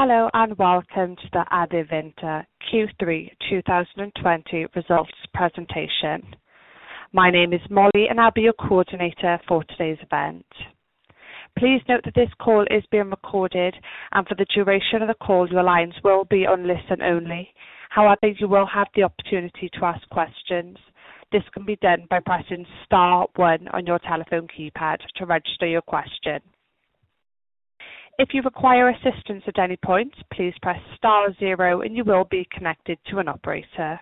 Hello, and welcome to the Adevinta Q3 2020 results presentation. My name is Molly, and I'll be your coordinator for today's event. Please note that this call is being recorded, and for the duration of the call, your lines will be on listen only. However, you will have the opportunity to ask questions. This can be done by pressing star one on your telephone keypad to register your question. If you require assistance at any point, please press star zero and you will be connected to an operator.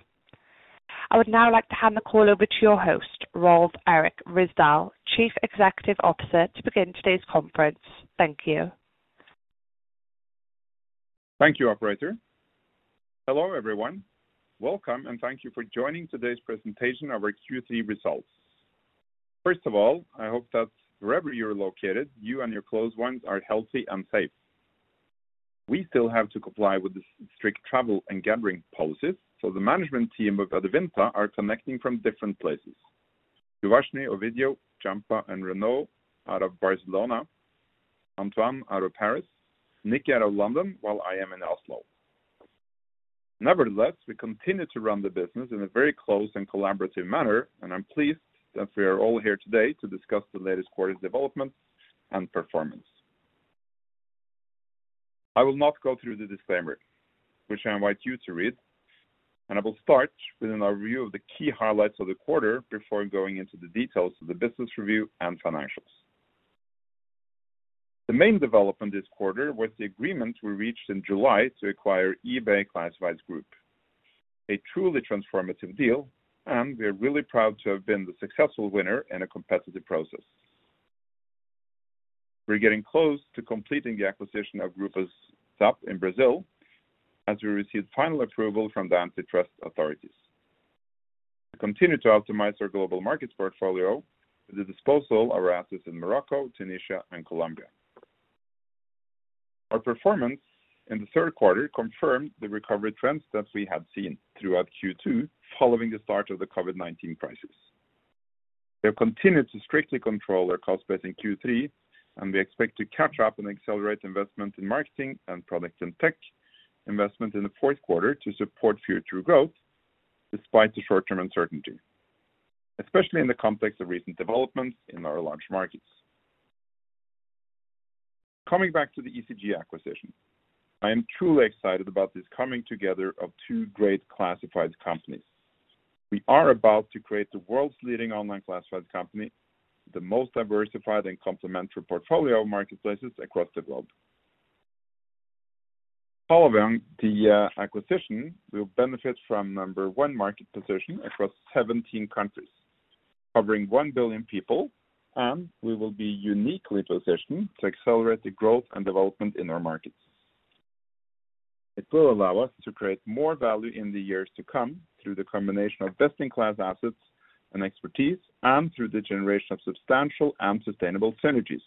I would now like to hand the call over to your host, Rolv Erik Ryssdal, Chief Executive Officer, to begin today's conference. Thank you. Thank you, operator. Hello, everyone. Welcome, and thank you for joining today's presentation of our Q3 results. I hope that wherever you're located, you and your close ones are healthy and safe. We still have to comply with the strict travel and gathering policies, the management team of Adevinta are connecting from different places. Uvashni, Ovidiu, Gianpa, and Renaud out of Barcelona, Antoine out of Paris, Nicki out of London, while I am in Oslo. We continue to run the business in a very close and collaborative manner, and I am pleased that we are all here today to discuss the latest quarter's developments and performance. I will not go through the disclaimer, which I invite you to read, and I will start with an overview of the key highlights of the quarter before going into the details of the business review and financials. The main development this quarter was the agreement we reached in July to acquire eBay Classifieds Group. A truly transformative deal. We are really proud to have been the successful winner in a competitive process. We're getting close to completing the acquisition of Grupo ZAP in Brazil as we received final approval from the antitrust authorities. We continue to optimize our global markets portfolio with the disposal of our assets in Morocco, Tunisia, and Colombia. Our performance in the third quarter confirmed the recovery trends that we had seen throughout Q2 following the start of the COVID-19 crisis. We have continued to strictly control our cost base in Q3, and we expect to catch up and accelerate investment in marketing and product and tech investment in the fourth quarter to support future growth despite the short-term uncertainty, especially in the context of recent developments in our large markets. Coming back to the eCG acquisition. I am truly excited about this coming together of two great classified companies. We are about to create the world's leading online classified company, the most diversified and complementary portfolio of marketplaces across the globe. Following the acquisition, we'll benefit from number one market position across 17 countries, covering one billion people, and we will be uniquely positioned to accelerate the growth and development in our markets. It will allow us to create more value in the years to come through the combination of best-in-class assets and expertise, and through the generation of substantial and sustainable synergies.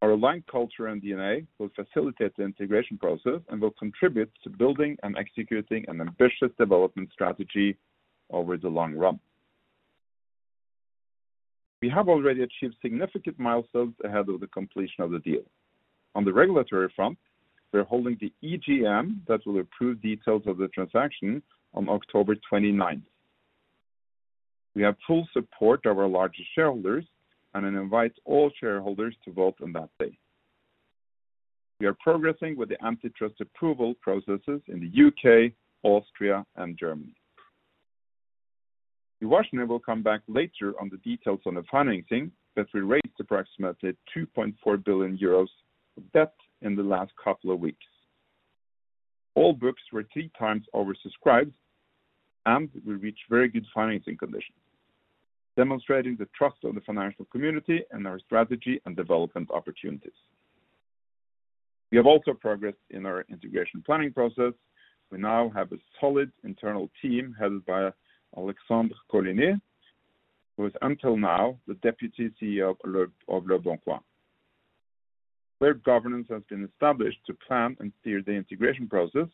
Our aligned culture and DNA will facilitate the integration process and will contribute to building and executing an ambitious development strategy over the long run. We have already achieved significant milestones ahead of the completion of the deal. On the regulatory front, we are holding the EGM that will approve details of the transaction on October 29th. We have full support of our largest shareholders, and I invite all shareholders to vote on that day. We are progressing with the antitrust approval processes in the U.K., Austria, and Germany. Uvashni will come back later on the details on the financing that we raised approximately 2.4 billion euros of debt in the last couple of weeks. All books were 3x oversubscribed, and we reached very good financing conditions, demonstrating the trust of the financial community in our strategy and development opportunities. We have also progressed in our integration planning process. We now have a solid internal team headed by Alexandre Collinet, who was until now the Deputy CEO of leboncoin. Clear governance has been established to plan and steer the integration process,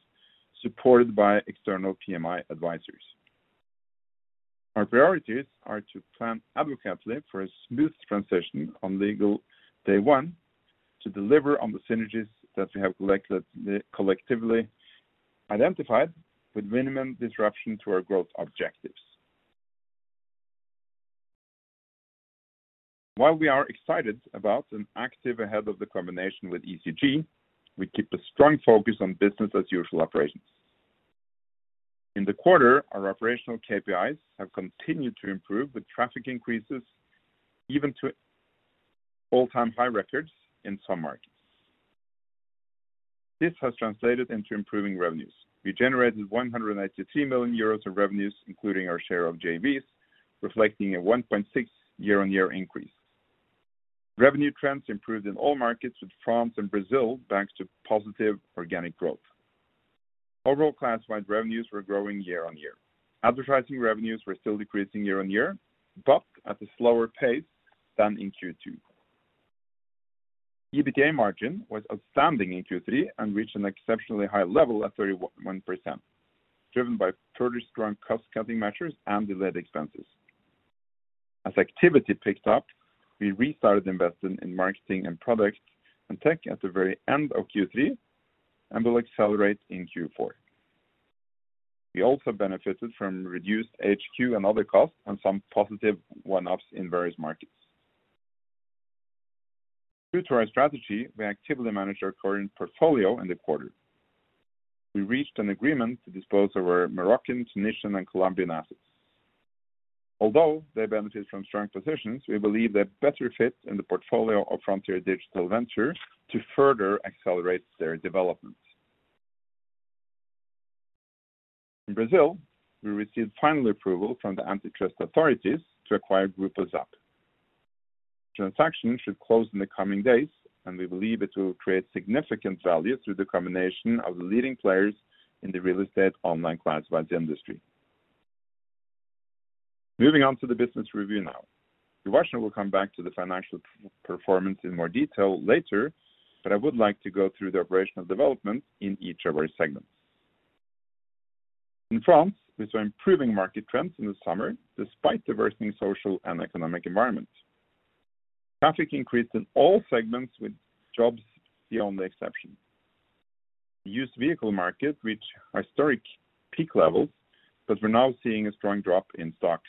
supported by external PMI advisors. Our priorities are to plan adequately for a smooth transition on legal day one to deliver on the synergies that we have collectively identified with minimum disruption to our growth objectives. While we are excited about and active ahead of the combination with eCG, we keep a strong focus on business as usual operations. In the quarter, our operational KPIs have continued to improve with traffic increases even to all-time high records in some markets. This has translated into improving revenues. We generated 183 million euros of revenues, including our share of JVs, reflecting a 1.6 year-on-year increase. Revenue trends improved in all markets with France and Brazil, thanks to positive organic growth. Overall classified revenues were growing year-on-year. Advertising revenues were still decreasing year-on-year, but at a slower pace than in Q2. EBITDA margin was outstanding in Q3 and reached an exceptionally high level at 31%, driven by further strong cost-cutting measures and delayed expenses. As activity picked up, we restarted investment in marketing and product and tech at the very end of Q3, and will accelerate in Q4. We also benefited from reduced HQ and other costs and some positive one-offs in various markets. True to our strategy, we actively managed our current portfolio in the quarter. We reached an agreement to dispose of our Moroccan, Tunisian, and Colombian assets. Although they benefited from strong positions, we believe they better fit in the portfolio of Frontier Digital Ventures to further accelerate their development. In Brazil, we received final approval from the antitrust authorities to acquire Grupo ZAP. The transaction should close in the coming days, and we believe it will create significant value through the combination of the leading players in the real estate online classifieds industry. Moving on to the business review now. Uvashni will come back to the financial performance in more detail later, but I would like to go through the operational development in each of our segments. In France, we saw improving market trends in the summer despite the worsening social and economic environment. Traffic increased in all segments, with jobs the only exception. The used vehicle market reached historic peak levels, but we're now seeing a strong drop in stocks.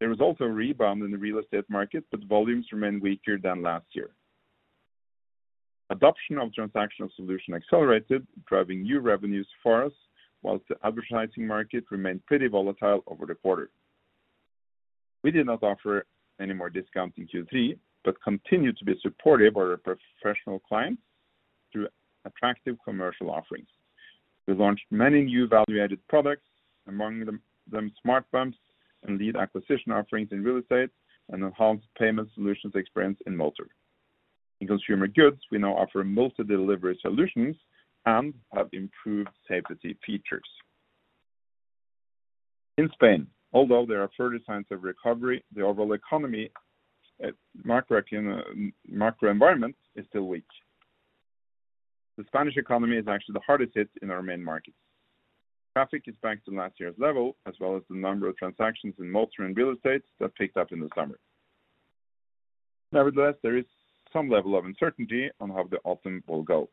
There was also a rebound in the real estate market, but volumes remained weaker than last year. Adoption of transactional solution accelerated, driving new revenues for us, whilst the advertising market remained pretty volatile over the quarter. We did not offer any more discounts in Q3, but continued to be supportive of our professional clients through attractive commercial offerings. We've launched many new value-added products, among them smart bumps and lead acquisition offerings in real estate, and enhanced payment solutions experience in motor. In consumer goods, we now offer multi-delivery solutions and have improved safety features. In Spain, although there are further signs of recovery, the overall economy, macro environment is still weak. The Spanish economy is actually the hardest hit in our main markets. Traffic is back to last year's level, as well as the number of transactions in motor and real estate that picked up in the summer. Nevertheless, there is some level of uncertainty on how the autumn will go.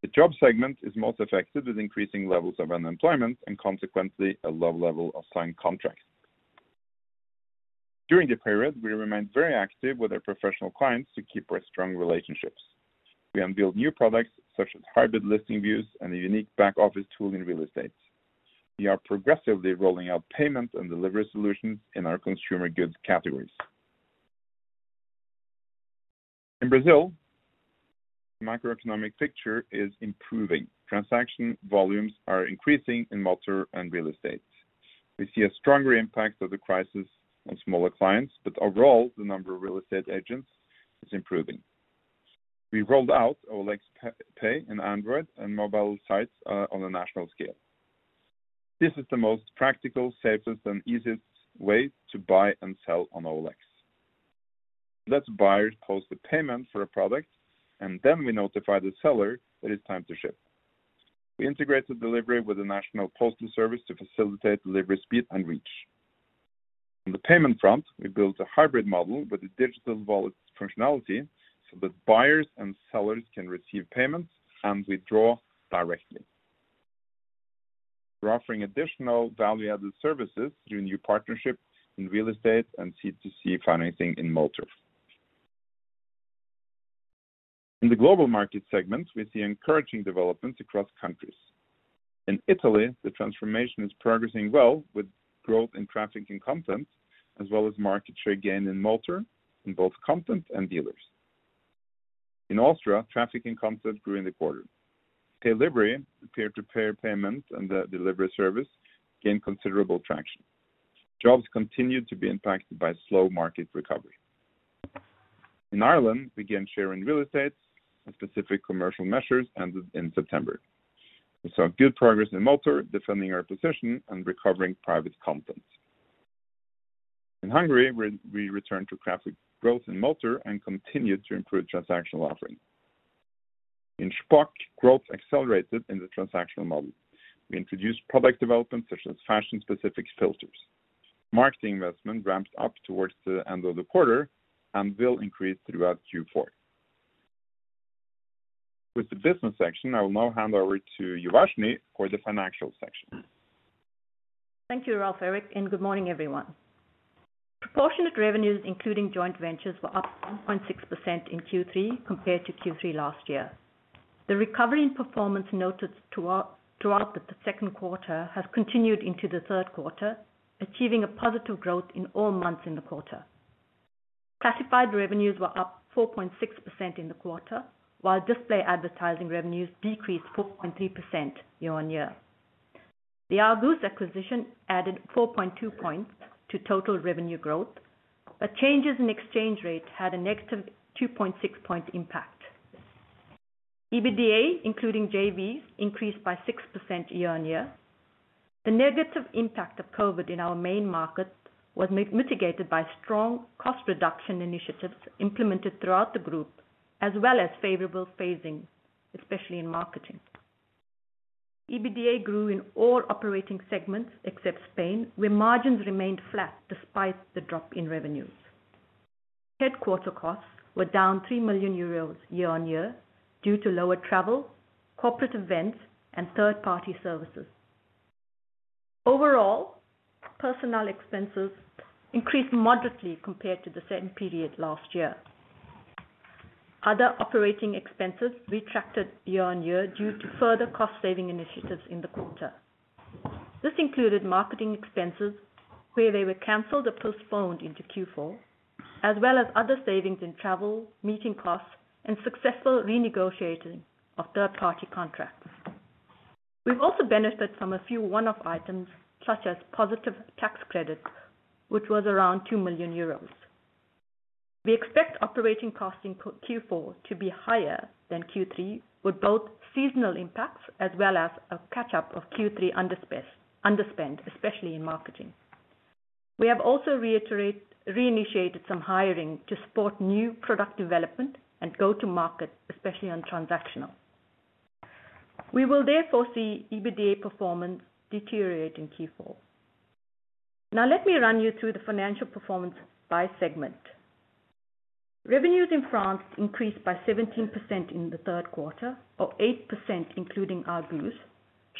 The jobs segment is most affected, with increasing levels of unemployment and consequently a low level of signed contracts. During the period, we remained very active with our professional clients to keep our strong relationships. We unveiled new products such as hybrid listing views and a unique back office tool in real estate. We are progressively rolling out payment and delivery solutions in our consumer goods categories. In Brazil, the macroeconomic picture is improving. Transaction volumes are increasing in motor and real estate. We see a stronger impact of the crisis on smaller clients, but overall, the number of real estate agents is improving. We rolled out OLX Pay on Android and mobile sites on a national scale. This is the most practical, safest, and easiest way to buy and sell on OLX. It lets buyers host a payment for a product, and then we notify the seller that it's time to ship. We integrated delivery with the national postal service to facilitate delivery speed and reach. On the payment front, we built a hybrid model with a digital wallet functionality so that buyers and sellers can receive payments and withdraw directly. We're offering additional value-added services through new partnerships in real estate and C2C financing in motor. In the global market segment, we see encouraging developments across countries. In Italy, the transformation is progressing well with growth in traffic and content, as well as market share gain in motor, in both content and dealers. In Austria, traffic and content grew in the quarter. Paylivery, the peer-to-peer payment and delivery service, gained considerable traction. Jobs continued to be impacted by slow market recovery. In Ireland, we gained share in real estate and specific commercial measures ended in September. We saw good progress in motor, defending our position and recovering private content. In Hungary, we returned to traffic growth in motor and continued to improve transactional offering. In Shpock, growth accelerated in the transactional model. We introduced product development such as fashion-specific filters. Marketing investment ramps up towards the end of the quarter and will increase throughout Q4. With the business section, I will now hand over to Uvashni for the financial section. Thank you, Rolv Erik, and good morning, everyone. Proportionate revenues, including joint ventures, were up 1.6% in Q3 compared to Q3 last year. The recovery in performance noted throughout the second quarter has continued into the third quarter, achieving a positive growth in all months in the quarter. Classified revenues were up 4.6% in the quarter, while display advertising revenues decreased 4.3% year-on-year. The L'Argus acquisition added 4.2 points to total revenue growth. Changes in exchange rate had a -2.6-point impact. EBITDA, including JVs, increased by 6% year-on-year. The negative impact of COVID in our main markets was mitigated by strong cost reduction initiatives implemented throughout the Group, as well as favorable phasing, especially in marketing. EBITDA grew in all operating segments except Spain, where margins remained flat despite the drop in revenues. Headquarter costs were down 3 million euros year-on-year due to lower travel, corporate events, and third-party services. Overall, personnel expenses increased moderately compared to the same period last year. Other operating expenses retracted year-on-year due to further cost-saving initiatives in the quarter. This included marketing expenses, where they were canceled or postponed into Q4, as well as other savings in travel, meeting costs, and successful renegotiating of third-party contracts. We've also benefited from a few one-off items, such as positive tax credits, which was around 2 million euros. We expect operating costs in Q4 to be higher than Q3, with both seasonal impacts as well as a catch-up of Q3 underspend, especially in marketing. We have also reinitiated some hiring to support new product development and go to market, especially on transactional. We will therefore see EBITDA performance deteriorate in Q4. Let me run you through the financial performance by segment. Revenues in France increased by 17% in the third quarter, or 8% including L'Argus,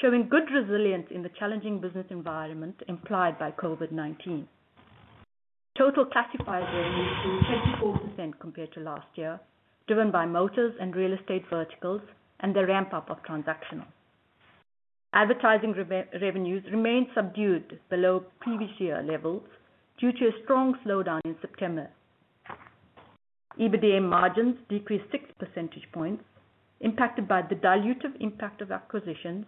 showing good resilience in the challenging business environment implied by COVID-19. Total classified revenue grew 24% compared to last year, driven by motors and real estate verticals and the ramp-up of transactional. Advertising revenues remained subdued below previous year levels due to a strong slowdown in September. EBITDA margins decreased 6 percentage points impacted by the dilutive impact of acquisitions,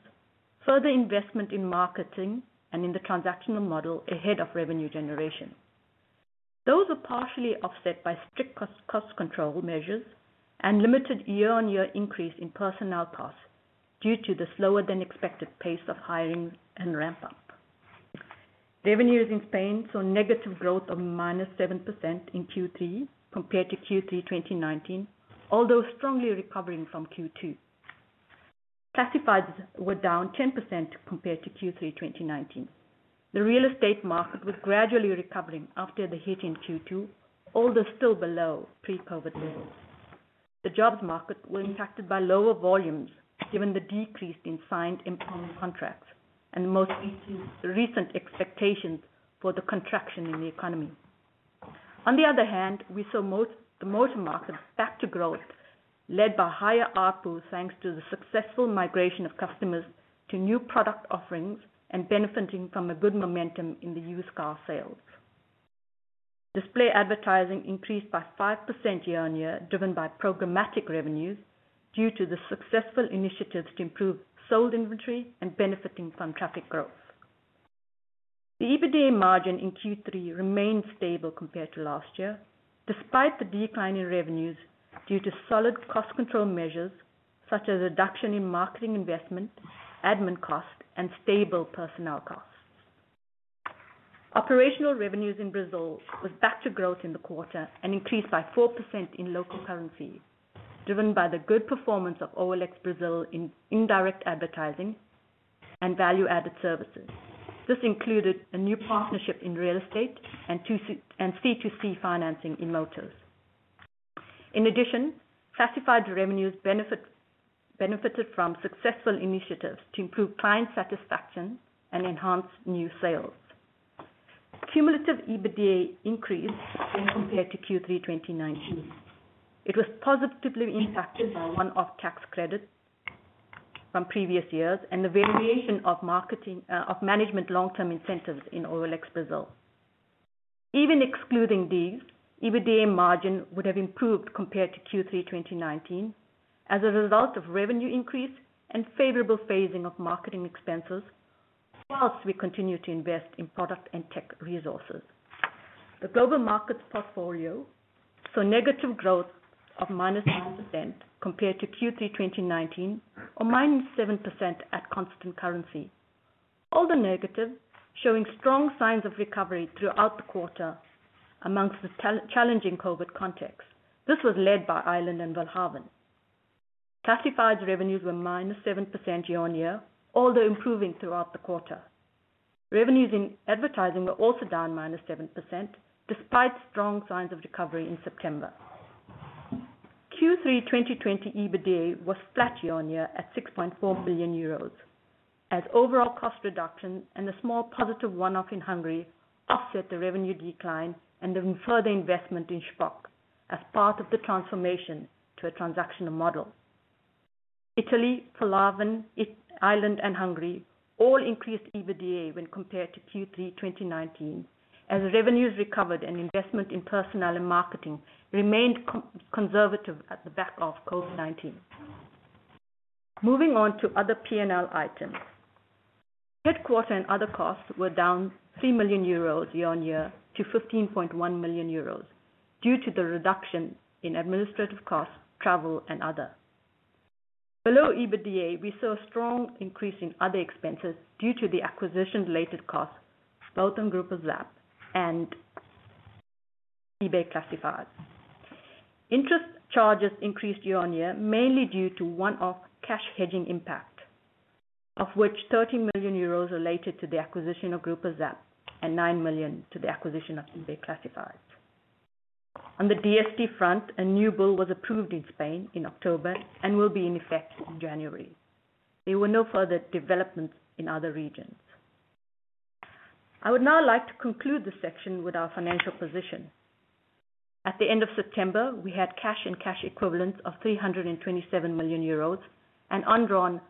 further investment in marketing, and in the transactional model ahead of revenue generation. Those are partially offset by strict cost control measures and limited year-on-year increase in personnel costs due to the slower than expected pace of hiring and ramp-up. Revenues in Spain saw negative growth of -7% in Q3 compared to Q3 2019, although strongly recovering from Q2. Classifieds were down 10% compared to Q3 2019. The real estate market was gradually recovering after the hit in Q2, although still below pre-COVID-19 levels. The jobs market was impacted by lower volumes given the decrease in signed employment contracts and most recent expectations for the contraction in the economy. On the other hand, we saw the motor market back to growth led by higher ARPU, thanks to the successful migration of customers to new product offerings and benefiting from a good momentum in the used car sales. Display advertising increased by 5% year-on-year, driven by programmatic revenues due to the successful initiatives to improve sold inventory and benefiting from traffic growth. The EBITDA margin in Q3 remained stable compared to last year, despite the decline in revenues due to solid cost control measures such as reduction in marketing investment, admin costs, and stable personnel costs. Operational revenues in Brazil was back to growth in the quarter and increased by 4% in local currency, driven by the good performance of OLX Brazil in indirect advertising and value-added services. This included a new partnership in real estate and C2C financing in motors. In addition, classified revenues benefited from successful initiatives to improve client satisfaction and enhance new sales. Cumulative EBITDA increased when compared to Q3 2019. It was positively impacted by one-off tax credits from previous years and the variation of management long-term incentives in OLX Brazil. Even excluding these, EBITDA margin would have improved compared to Q3 2019 as a result of revenue increase and favorable phasing of marketing expenses, whilst we continue to invest in product and tech resources. The global markets portfolio saw negative growth of -10% compared to Q3 2019 or -7% at constant currency. All the negative showing strong signs of recovery throughout the quarter amongst the challenging COVID-19 context. This was led by Ireland and willhaben. Classified revenues were -7% year-on-year, although improving throughout the quarter. Revenues in advertising were also down -7%, despite strong signs of recovery in September. Q3 2020 EBITDA was flat year-on-year at 6.4 billion euros, as overall cost reduction and a small positive one-off in Hungary offset the revenue decline and the further investment in Shpock as part of the transformation to a transactional model. Italy, willhaben, Ireland, and Hungary all increased EBITDA when compared to Q3 2019, as revenues recovered and investment in personnel and marketing remained conservative at the back of COVID-19. Moving on to other P&L items. Headquarter and other costs were down 3 million euros year-on-year to 15.1 million euros due to the reduction in administrative costs, travel, and other. Below EBITDA, we saw a strong increase in other expenses due to the acquisition-related costs, both on Grupo ZAP and eBay Classifieds. Interest charges increased year on year, mainly due to one-off cash hedging impact, of which 30 million euros related to the acquisition of Grupo ZAP and 9 million to the acquisition of eBay Classifieds. On the DST front, a new bill was approved in Spain in October and will be in effect in January. There were no further developments in other regions. I would now like to conclude this section with our financial position. At the end of September, we had cash and cash equivalents of 327 million euros and undrawn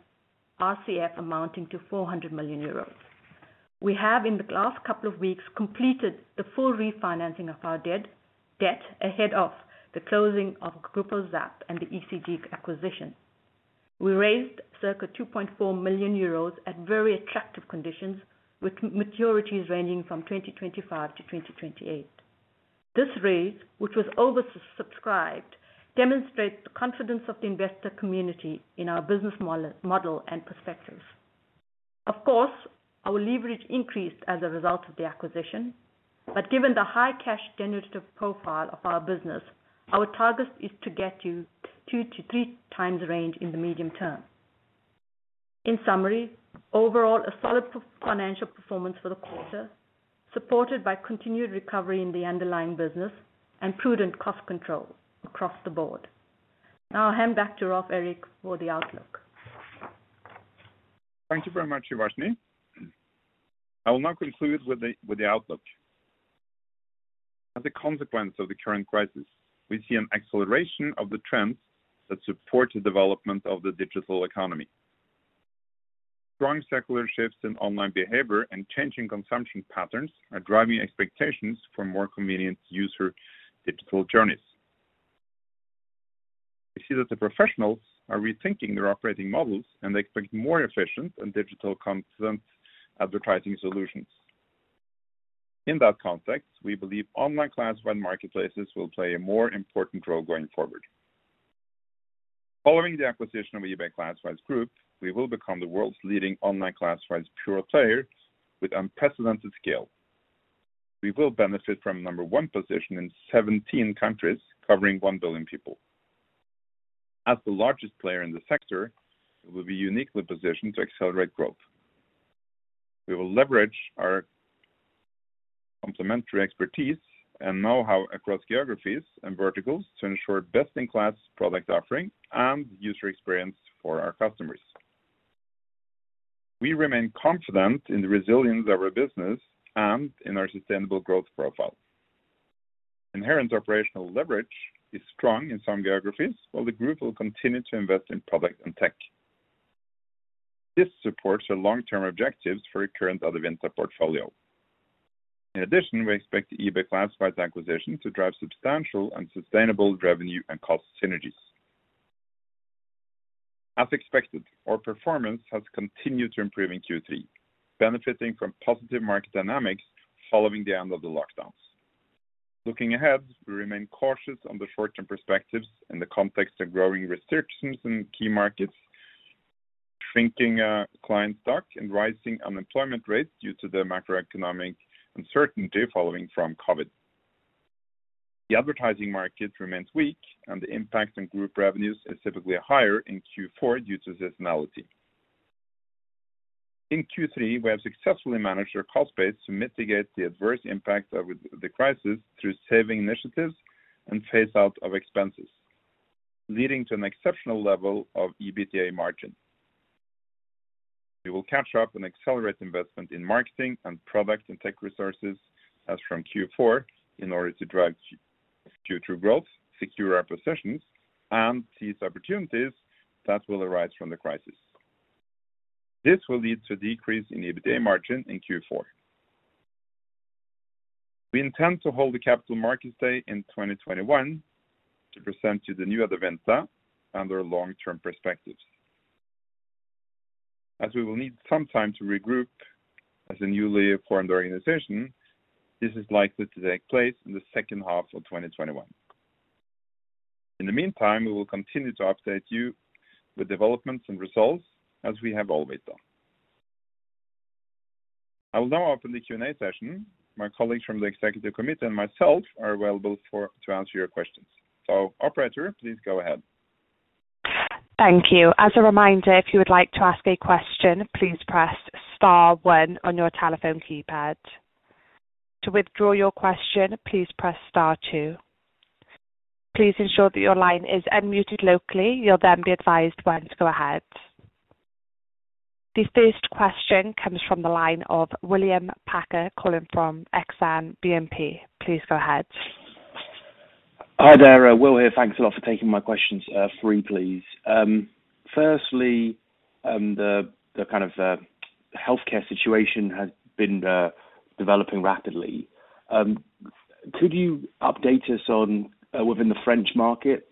RCF amounting to 400 million euros. We have, in the last couple of weeks, completed the full refinancing of our debt ahead of the closing of Grupo ZAP and the eCG acquisition. We raised circa 2.4 million euros at very attractive conditions, with maturities ranging from 2025-2028. This raise, which was oversubscribed, demonstrates the confidence of the investor community in our business model and perspectives. Of course, our leverage increased as a result of the acquisition, but given the high cash generative profile of our business, our target is to get to 2x-3x range in the medium term. In summary, overall, a solid financial performance for the quarter, supported by continued recovery in the underlying business and prudent cost control across the board. Now I hand back to Rolv Erik for the outlook. Thank you very much, Uvashni. I will now conclude with the outlook. As a consequence of the current crisis, we see an acceleration of the trends that support the development of the digital economy. Strong secular shifts in online behavior and changing consumption patterns are driving expectations for more convenient user digital journeys. We see that the professionals are rethinking their operating models, and they expect more efficient and digital-confident advertising solutions. In that context, we believe online classified marketplaces will play a more important role going forward. Following the acquisition of eBay Classifieds Group, we will become the world's leading online classifieds pure player with unprecedented scale. We will benefit from number one position in 17 countries, covering one billion people. As the largest player in the sector, we'll be uniquely positioned to accelerate growth. We will leverage our complementary expertise and know-how across geographies and verticals to ensure best-in-class product offering and user experience for our customers. We remain confident in the resilience of our business and in our sustainable growth profile. Inherent operational leverage is strong in some geographies, while the Group will continue to invest in product and tech. This supports our long-term objectives for our current Adevinta portfolio. In addition, we expect the eBay Classifieds acquisition to drive substantial and sustainable revenue and cost synergies. As expected, our performance has continued to improve in Q3, benefiting from positive market dynamics following the end of the lockdowns. Looking ahead, we remain cautious on the short-term perspectives in the context of growing restrictions in key markets, shrinking client stock, and rising unemployment rates due to the macroeconomic uncertainty following from COVID. The advertising market remains weak, and the impact on Group revenues is typically higher in Q4 due to seasonality. In Q3, we have successfully managed our cost base to mitigate the adverse impact of the crisis through saving initiatives and phase out of expenses, leading to an exceptional level of EBITDA margin. We will catch up and accelerate investment in marketing and product and tech resources as from Q4 in order to drive future growth, secure our positions, and seize opportunities that will arise from the crisis. This will lead to a decrease in EBITDA margin in Q4. We intend to hold a Capital Markets Day in 2021 to present to the new Adevinta and their long-term perspectives. As we will need some time to regroup as a newly formed organization, this is likely to take place in the second half of 2021. In the meantime, we will continue to update you with developments and results as we have always done. I will now open the Q&A session. My colleagues from the executive committee and myself are available to answer your questions. Operator, please go ahead. Thank you. As a Reminder, if you would like to ask a question, please press star one on your telephone keypad. To withdraw your question, please press star two. Please ensure that your line is unmuted locally. You'll then be advised when to go ahead. The first question comes from the line of William Packer calling from Exane BNP. Please go ahead. Hi there. Will here. Thanks a lot for taking my questions. Three, please. Firstly, the kind of healthcare situation has been developing rapidly. Could you update us on, within the French market,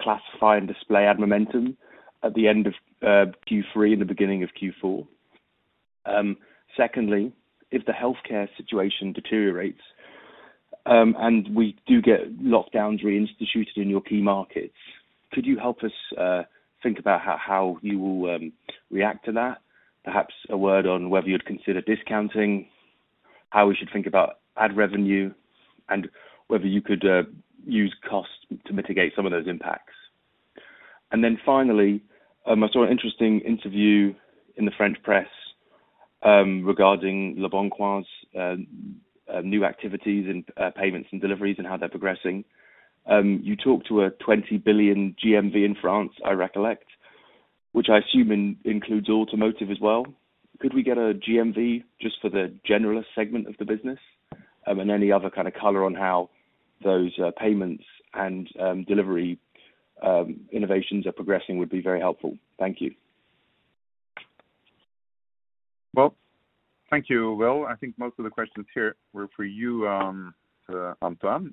classified display ad momentum at the end of Q3 and the beginning of Q4? Secondly, if the healthcare situation deteriorates, and we do get lockdowns reinstituted in your key markets, could you help us think about how you will react to that? Perhaps a word on whether you'd consider discounting, how we should think about ad revenue, and whether you could use cost to mitigate some of those impacts. Finally, I saw an interesting interview in the French press regarding leboncoin's new activities in payments and deliveries and how they're progressing. You talked to a 20 billion GMV in France, I recollect, which I assume includes automotive as well. Could we get a GMV just for the generalist segment of the business? Any other kind of color on how those payments and delivery innovations are progressing would be very helpful. Thank you. Well, thank you, Will. I think most of the questions here were for you, Antoine.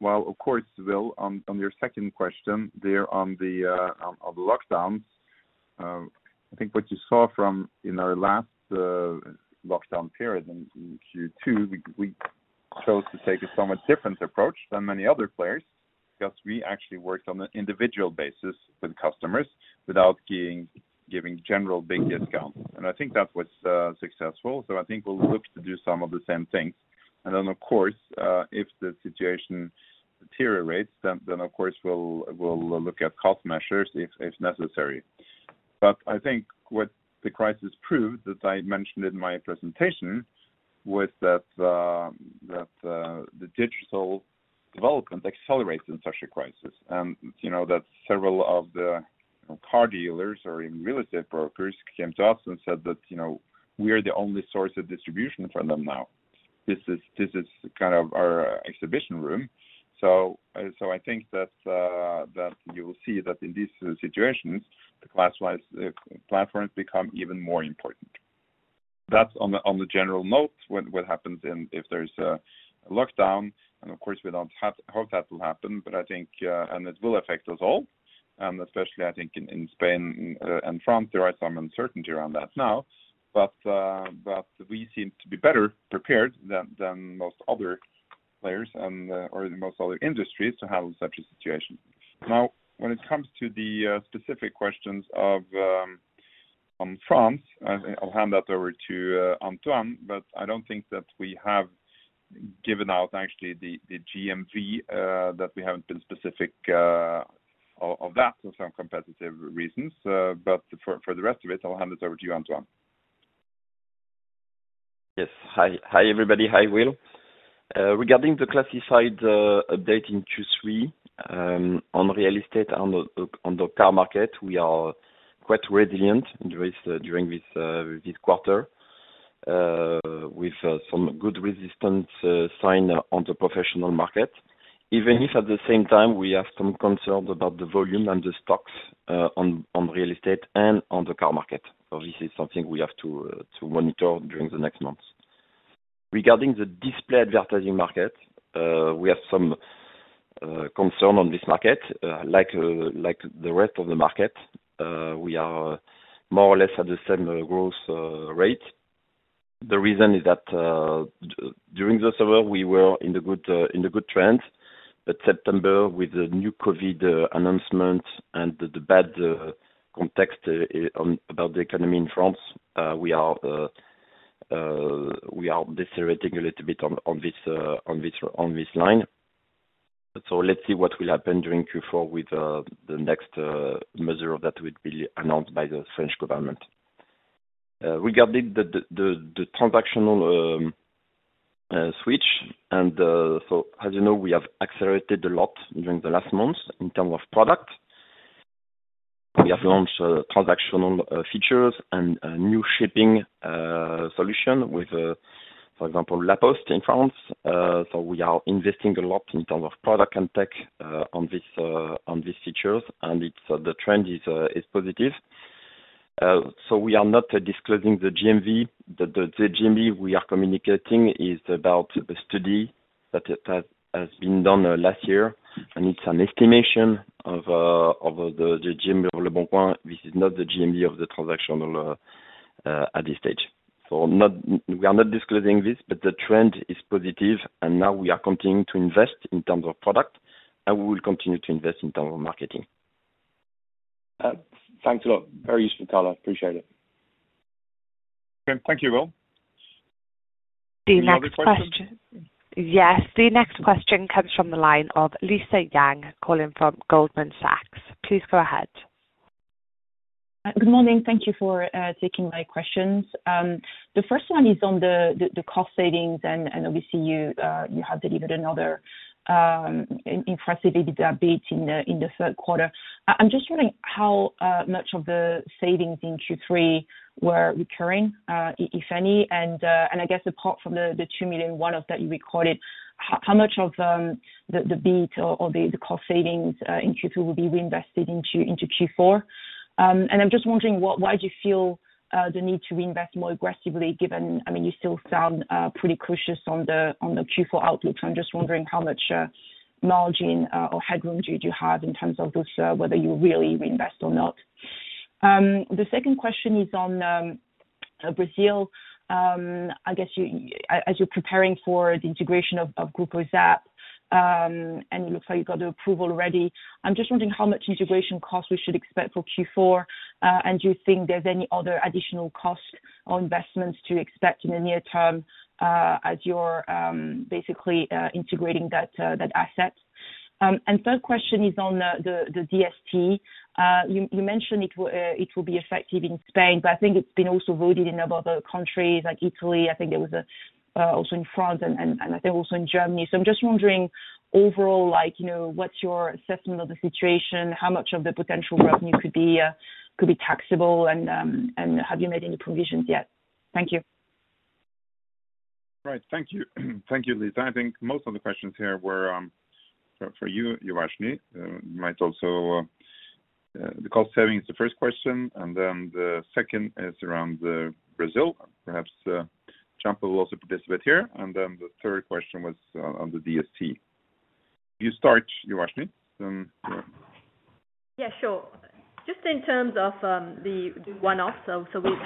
Well, of course, Will, on your second question there on the lockdowns, I think what you saw from in our last lockdown period in Q2, we chose to take a somewhat different approach than many other players, because we actually worked on an individual basis with customers without giving general big discounts. I think that was successful. I think we'll look to do some of the same things. Then, of course, if the situation deteriorates, then of course, we'll look at cost measures if necessary. I think what the crisis proved, as I mentioned in my presentation, was that the digital development accelerates in such a crisis, and that several of the car dealers or even real estate brokers came to us and said that we are the only source of distribution for them now. This is kind of our exhibition room. I think that you will see that in these situations, the platforms become even more important. That's on the general note, what happens if there's a lockdown. Of course, we don't hope that will happen. I think it will affect us all, and especially I think in Spain and France, there is some uncertainty around that now. We seem to be better prepared than most other players or most other industries to handle such a situation. When it comes to the specific questions on France, I'll hand that over to Antoine, but I don't think that we have given out actually the GMV, that we haven't been specific of that for some competitive reasons. For the rest of it, I'll hand it over to you, Antoine. Yes. Hi, everybody. Hi, Will. Regarding the classified update in Q3, on real estate, on the car market, we are quite resilient during this quarter, with some good resistance sign on the professional market. Even if at the same time we have some concerns about the volume and the stocks on real estate and on the car market. This is something we have to monitor during the next months. Regarding the display advertising market, we have some concern on this market, like the rest of the market, we are more or less at the same growth rate. The reason is that, during the summer, we were in the good trend, September, with the new COVID announcement and the bad context about the economy in France, we are deteriorating a little bit on this line. Let's see what will happen during Q4 with the next measure that would be announced by the French government. Regarding the transactional switch, as you know, we have accelerated a lot during the last months in terms of product. We have launched transactional features and a new shipping solution with, for example, La Poste in France. We are investing a lot in terms of product and tech on these features, and the trend is positive. We are not disclosing the GMV. The GMV we are communicating is about the study that has been done last year, and it's an estimation of the GMV of leboncoin. This is not the GMV of the transactional at this stage. We are not disclosing this, but the trend is positive, and now we are continuing to invest in terms of product, and we will continue to invest in terms of marketing. Thanks a lot. Very useful color. Appreciate it. Okay. Thank you, Will. Any other questions? Yes, the next question comes from the line of Lisa Yang, calling from Goldman Sachs. Please go ahead. Good morning. Thank you for taking my questions. The first one is on the cost savings, obviously, you have delivered another impressive EBITDA beat in the third quarter. I'm just wondering how much of the savings in Q3 were recurring, if any, I guess apart from the 2 million one-offs that you recorded, how much of the beat or the cost savings in Q3 will be reinvested into Q4? I'm just wondering why do you feel the need to invest more aggressively given I mean, you still sound pretty cautious on the Q4 outlook. I'm just wondering how much margin or headroom do you have in terms of those, whether you really reinvest or not? The second question is on Brazil. I guess as you're preparing for the integration of Grupo ZAP, and it looks like you got the approval already, I'm just wondering how much integration costs we should expect for Q4. Do you think there's any other additional cost or investments to expect in the near term as you're basically integrating that asset? Third question is on the DST. You mentioned it will be effective in Spain, but I think it's been also voted in other countries like Italy. I think it was also in France and I think also in Germany. I'm just wondering overall, what's your assessment of the situation? How much of the potential revenue could be taxable and have you made any provisions yet? Thank you. Right. Thank you. Thank you, Lisa. I think most of the questions here were for you, Uvashni. The cost saving is the first question, and then the second is around Brazil. Perhaps Gianpa will also participate here. The third question was on the DST. You start, Uvashni. Yeah, sure. Just in terms of the one-off,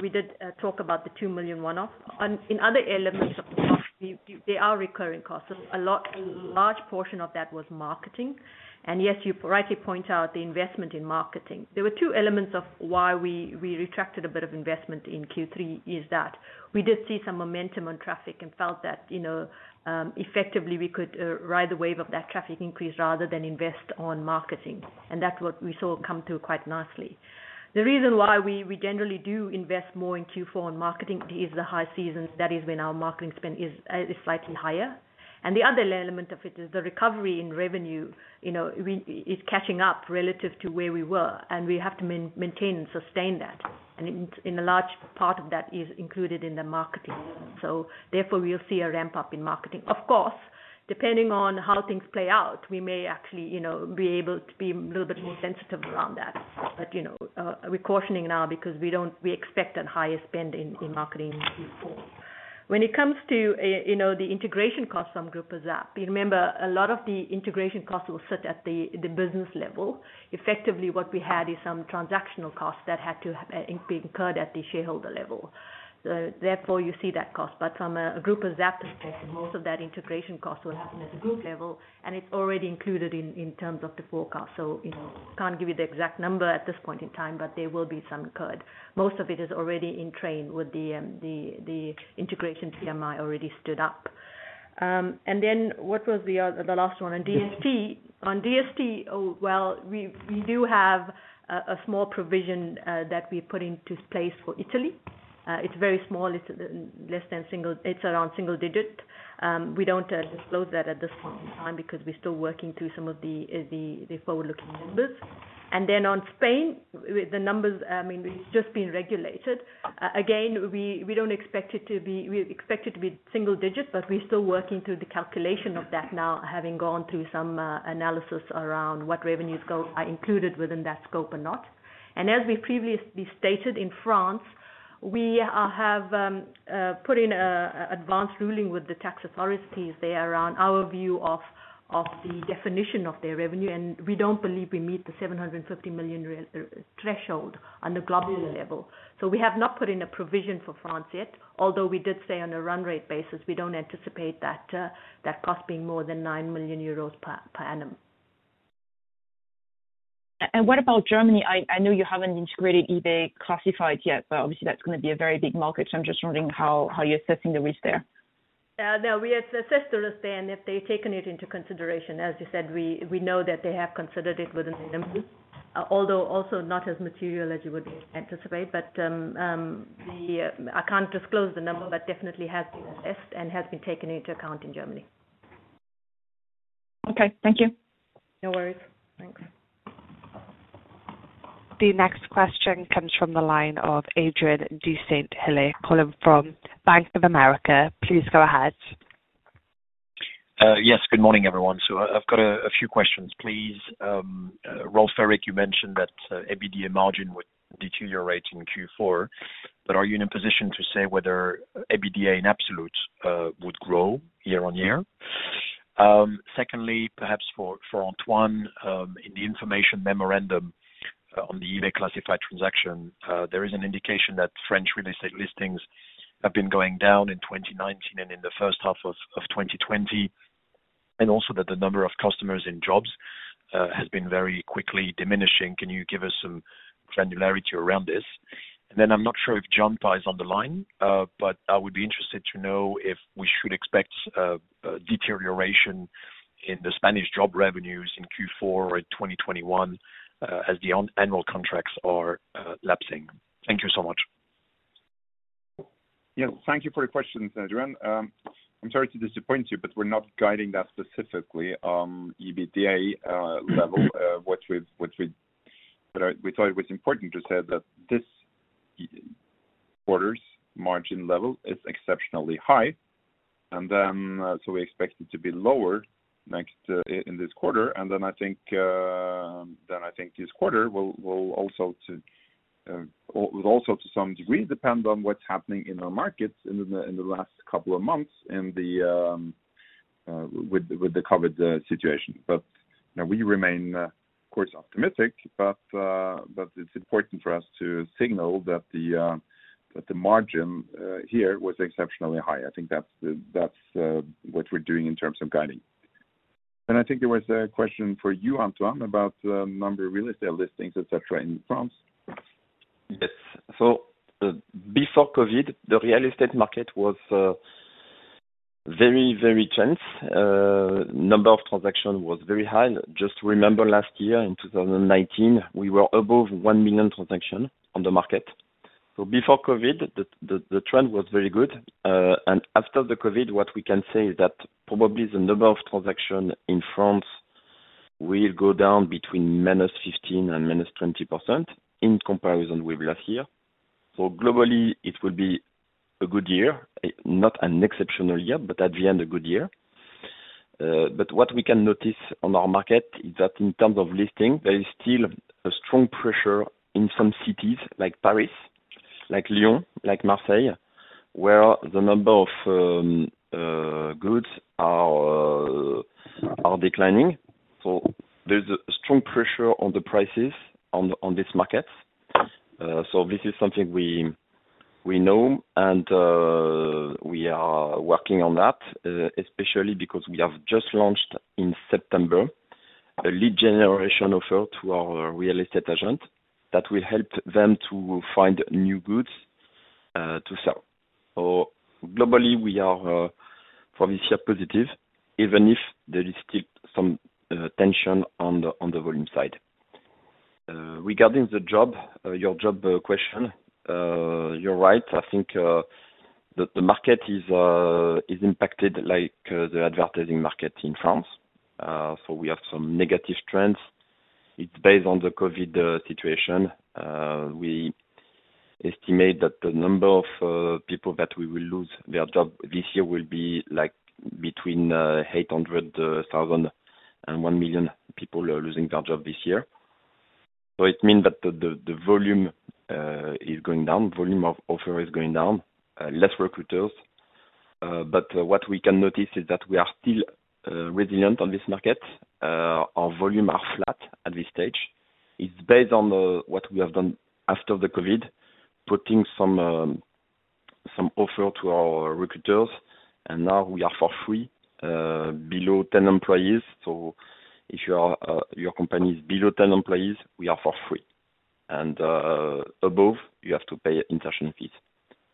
we did talk about the 2 million one-off. In other elements of the cost, there are recurring costs. A large portion of that was marketing. Yes, you rightly point out the investment in marketing. There were two elements of why we retracted a bit of investment in Q3 is that we did see some momentum on traffic and felt that effectively we could ride the wave of that traffic increase rather than invest on marketing. That's what we saw come through quite nicely. The reason why we generally do invest more in Q4 on marketing is the high season. That is when our marketing spend is slightly higher. The other element of it is the recovery in revenue is catching up relative to where we were, and we have to maintain and sustain that. A large part of that is included in the marketing. Therefore, we'll see a ramp-up in marketing. Of course, depending on how things play out, we may actually be able to be a little bit more sensitive around that. We're cautioning now because we expect a higher spend in marketing in Q4. When it comes to the integration cost from Grupo ZAP, you remember a lot of the integration costs were set at the business level. Effectively, what we had is some transactional costs that had to be incurred at the shareholder level. Therefore, you see that cost. From a Grupo ZAP perspective, most of that integration cost will happen at a Group level, and it's already included in terms of the forecast. Can't give you the exact number at this point in time, but there will be some incurred. Most of it is already in train with the integration PMI already stood up. What was the last one? On DST, well, we do have a small provision that we put into place for Italy. It's very small. It's around single digit. We don't disclose that at this point in time because we're still working through some of the forward-looking numbers. On Spain, the numbers, it's just been regulated. Again, we expect it to be single digit, but we're still working through the calculation of that now, having gone through some analysis around what revenues are included within that scope and not. As we previously stated in France, we have put in advanced ruling with the tax authorities there around our view of the definition of their revenue. We don't believe we meet the 750 million threshold on a global level. We have not put in a provision for France yet, although we did say on a run rate basis, we don't anticipate that cost being more than 9 million euros per annum. What about Germany? I know you haven't integrated eBay Classifieds yet, but obviously that's going to be a very big market. I'm just wondering how you're assessing the risk there. No, we have assessed the risk there, and they've taken it into consideration. As you said, we know that they have considered it within the numbers, although also not as material as you would anticipate. I can't disclose the number, but definitely has been assessed and has been taken into account in Germany. Okay. Thank you. No worries. Thanks. The next question comes from the line of Adrien de Saint Hilaire calling from Bank of America. Please go ahead. Yes, good morning, everyone. I've got a few questions, please. Rolv Erik, you mentioned that EBITDA margin would deteriorate in Q4, but are you in a position to say whether EBITDA in absolute would grow year-on-year? Secondly, perhaps for Antoine, in the information memorandum on the eBay Classifieds transaction, there is an indication that French real estate listings have been going down in 2019 and in the first half of 2020, and also that the number of customers in jobs has been very quickly diminishing. Can you give us some granularity around this? I'm not sure if Gianpa is on the line, but I would be interested to know if we should expect a deterioration in the Spanish job revenues in Q4 or in 2021 as the annual contracts are lapsing. Thank you so much. Yeah, thank you for your question, Adrien. I'm sorry to disappoint you, we're not guiding that specifically on EBITDA level. We thought it was important to say that this quarter's margin level is exceptionally high, we expect it to be lower in this quarter. I think this quarter will also to some degree depend on what's happening in our markets in the last couple of months with the COVID situation. We remain, of course, optimistic, but it's important for us to signal that the margin here was exceptionally high. I think that's what we're doing in terms of guiding. I think there was a question for you, Antoine, about number of real estate listings, et cetera, in France. Yes. Before COVID, the real estate market was very tense. Number of transaction was very high. Just remember last year in 2019, we were above one million transaction on the market. Before COVID, the trend was very good. After the COVID, what we can say is that probably the number of transaction in France will go down between -15% and -20% in comparison with last year. Globally, it will be a good year, not an exceptional year, but at the end, a good year. What we can notice on our market is that in terms of listing, there is still a strong pressure in some cities like Paris, like Lyon, like Marseille, where the number of goods are declining. There's a strong pressure on the prices on this market. This is something we know and we are working on that, especially because we have just launched in September a lead generation offer to our real estate agent that will help them to find new goods to sell. Globally, we are for this year positive, even if there is still some tension on the volume side. Regarding your job question, you're right. I think the market is impacted like the advertising market in France. We have some negative trends. It's based on the COVID-19 situation. We estimate that the number of people that will lose their job this year will be between 800,000 and one million people are losing their job this year. It means that the volume is going down, volume of offer is going down, less recruiters. What we can notice is that we are still resilient on this market. Our volume are flat at this stage. It's based on what we have done after the COVID-19, putting some offer to our recruiters, and now we are for free below 10 employees. If your company is below 10 employees, we are for free, and above, you have to pay insertion fees.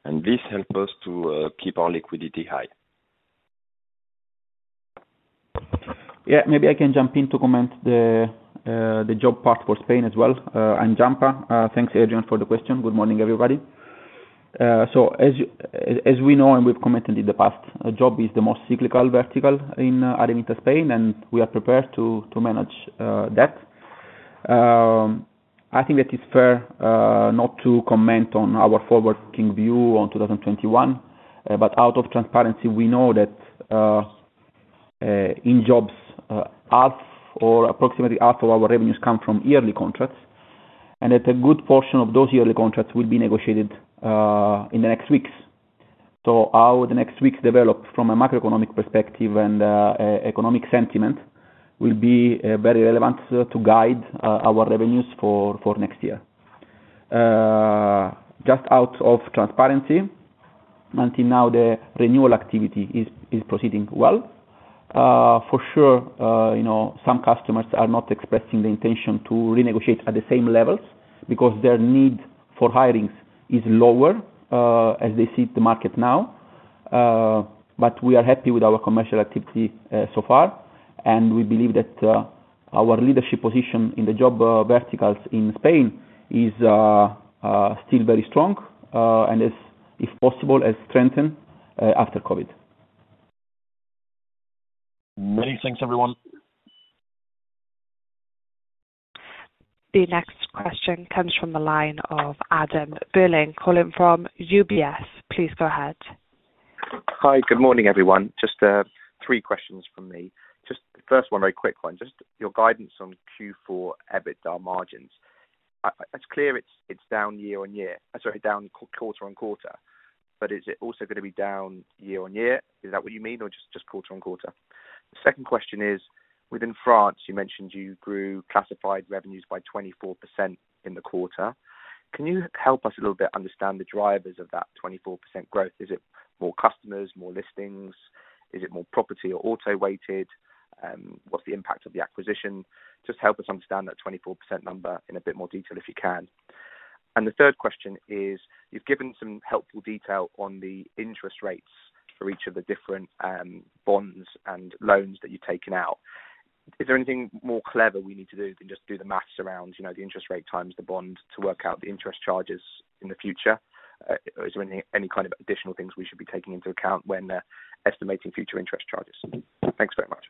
This help us to keep our liquidity high. Yeah, maybe I can jump in to comment the job part for Spain as well. I'm Gianpa. Thanks, Adrien, for the question. Good morning, everybody. As we know and we've commented in the past, job is the most cyclical vertical in Adevinta Spain, and we are prepared to manage that. I think that it's fair not to comment on our forward-looking view on 2021. Out of transparency, we know that in jobs, half or approximately half of our revenues come from yearly contracts, and that a good portion of those yearly contracts will be negotiated in the next weeks. How the next weeks develop from a macroeconomic perspective and economic sentiment will be very relevant to guide our revenues for next year. Just out of transparency, until now the renewal activity is proceeding well. For sure some customers are not expressing the intention to renegotiate at the same levels because their need for hirings is lower as they see the market now. We are happy with our commercial activity so far, and we believe that our leadership position in the job verticals in Spain is still very strong and is, if possible, strengthened after COVID. Many thanks, everyone. The next question comes from the line of Adam Berlin calling from UBS. Please go ahead. Hi, good morning, everyone. Just three questions from me. Just the first one, very quick one. Just your guidance on Q4 EBITDA margins. It's clear it's down quarter-on-quarter. Is it also going to be down year-on-year? Is that what you mean, or just quarter-on-quarter? The second question is, within France, you mentioned you grew classified revenues by 24% in the quarter. Can you help us a little bit understand the drivers of that 24% growth? Is it more customers, more listings? Is it more property or auto weighted? What's the impact of the acquisition? Just help us understand that 24% number in a bit more detail if you can. The third question is, you've given some helpful detail on the interest rates for each of the different bonds and loans that you've taken out. Is there anything more clever we need to do than just do the math around the interest rate times the bond to work out the interest charges in the future? Is there any kind of additional things we should be taking into account when estimating future interest charges? Thanks very much.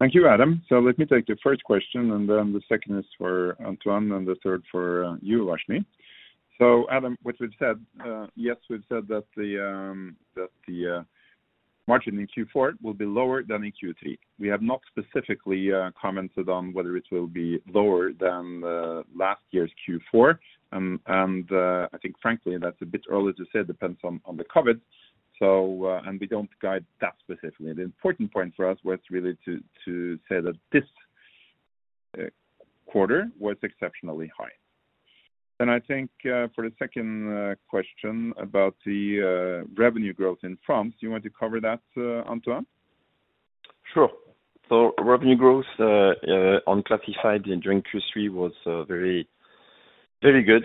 Thank you, Adam. Let me take the first question, and then the second is for Antoine and the third for you, Uvashni. Adam, which we've said yes, we've said that the margin in Q4 will be lower than in Q3. We have not specifically commented on whether it will be lower than last year's Q4. I think frankly, that's a bit early to say, it depends on the COVID-19. We don't guide that specifically. The important point for us was really to say that this quarter was exceptionally high. I think for the second question about the revenue growth in France, do you want to cover that, Antoine? Sure. Revenue growth on classifieds during Q3 was very good.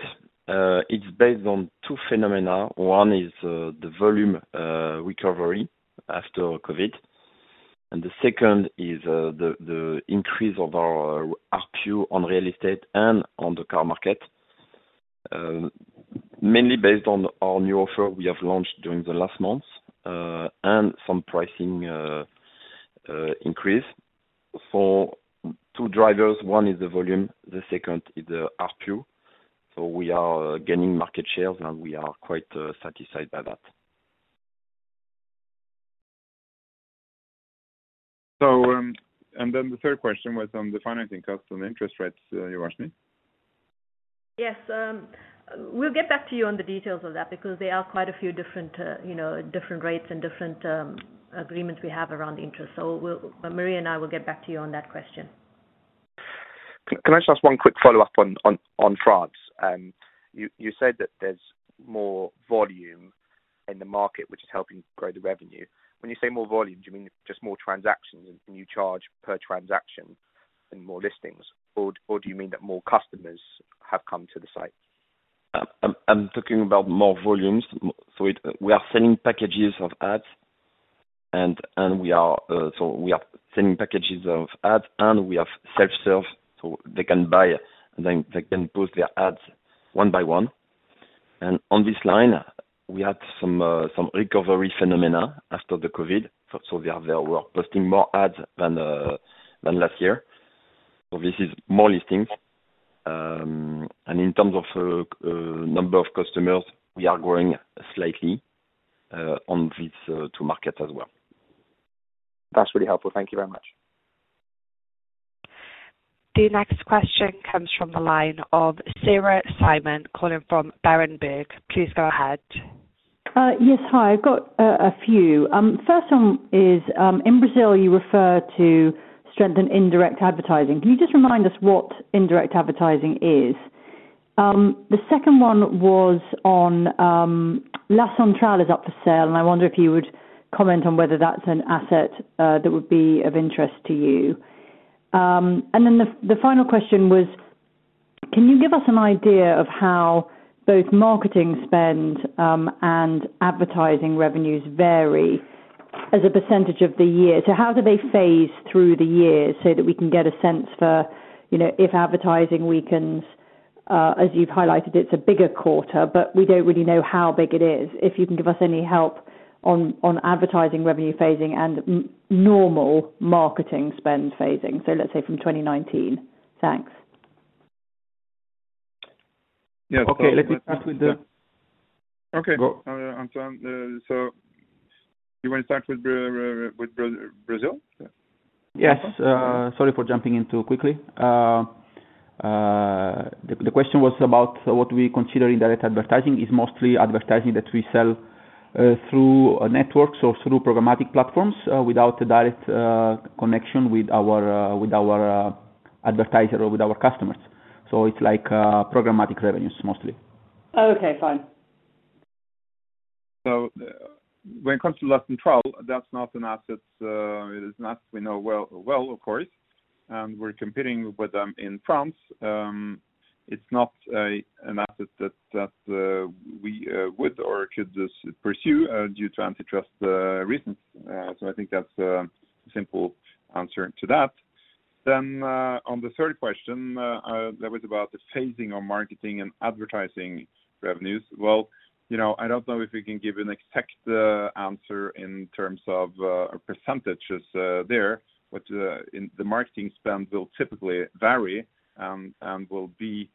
It's based on two phenomena. One is the volume recovery after COVID-19, and the second is the increase of our ARPU on real estate and on the car market. Mainly based on our new offer we have launched during the last months, and some pricing increase. For two drivers, one is the volume, the second is the ARPU. We are gaining market shares, and we are quite satisfied by that. The third question was on the financing cost on interest rates. Uvashni? Yes. We'll get back to you on the details of that because there are quite a few different rates and different agreements we have around interest. Marie and I will get back to you on that question. Can I just ask one quick follow-up on France? You said that there is more volume in the market, which is helping grow the revenue. When you say more volume, do you mean just more transactions, and you charge per transaction and more listings? Or do you mean that more customers have come to the site? I'm talking about more volumes. We are selling packages of ads, and we have self-serve, so they can buy, they can post their ads one by one. On this line, we had some recovery phenomena after the COVID. They were posting more ads than last year. This is more listings. In terms of number of customers, we are growing slightly on these two markets as well. That's really helpful. Thank you very much. The next question comes from the line of Sarah Simon, calling from Berenberg. Please go ahead. Yes. Hi. I've got a few. First one is, in Brazil, you refer to strengthen indirect advertising. Can you just Remind us what indirect advertising is? The second one was on, La Centrale is up for sale, and I wonder if you would comment on whether that's an asset that would be of interest to you. The final question was, can you give us an idea of how both marketing spend, and advertising revenues vary as a percentage of the year? How do they phase through the year so that we can get a sense for if advertising weakens, as you've highlighted, it's a bigger quarter, but we don't really know how big it is. If you can give us any help on advertising revenue phasing and normal marketing spend phasing, let's say from 2019. Thanks. Okay, let me start with. Okay, Antoine. Do you want to start with Brazil? Yes. Sorry for jumping in too quickly. The question was about what we consider indirect advertising is mostly advertising that we sell through networks or through programmatic platforms, without a direct connection with our advertiser or with our customers. It's like programmatic revenues mostly. Okay, fine. When it comes to La Centrale, that's not an asset. It is an asset we know well, of course, and we're competing with them in France. It's not an asset that we would or could pursue due to antitrust reasons. I think that's a simple answer to that. On the third question, that was about the phasing of marketing and advertising revenues. I don't know if we can give an exact answer in terms of percentages there. The marketing spend will typically vary, and will be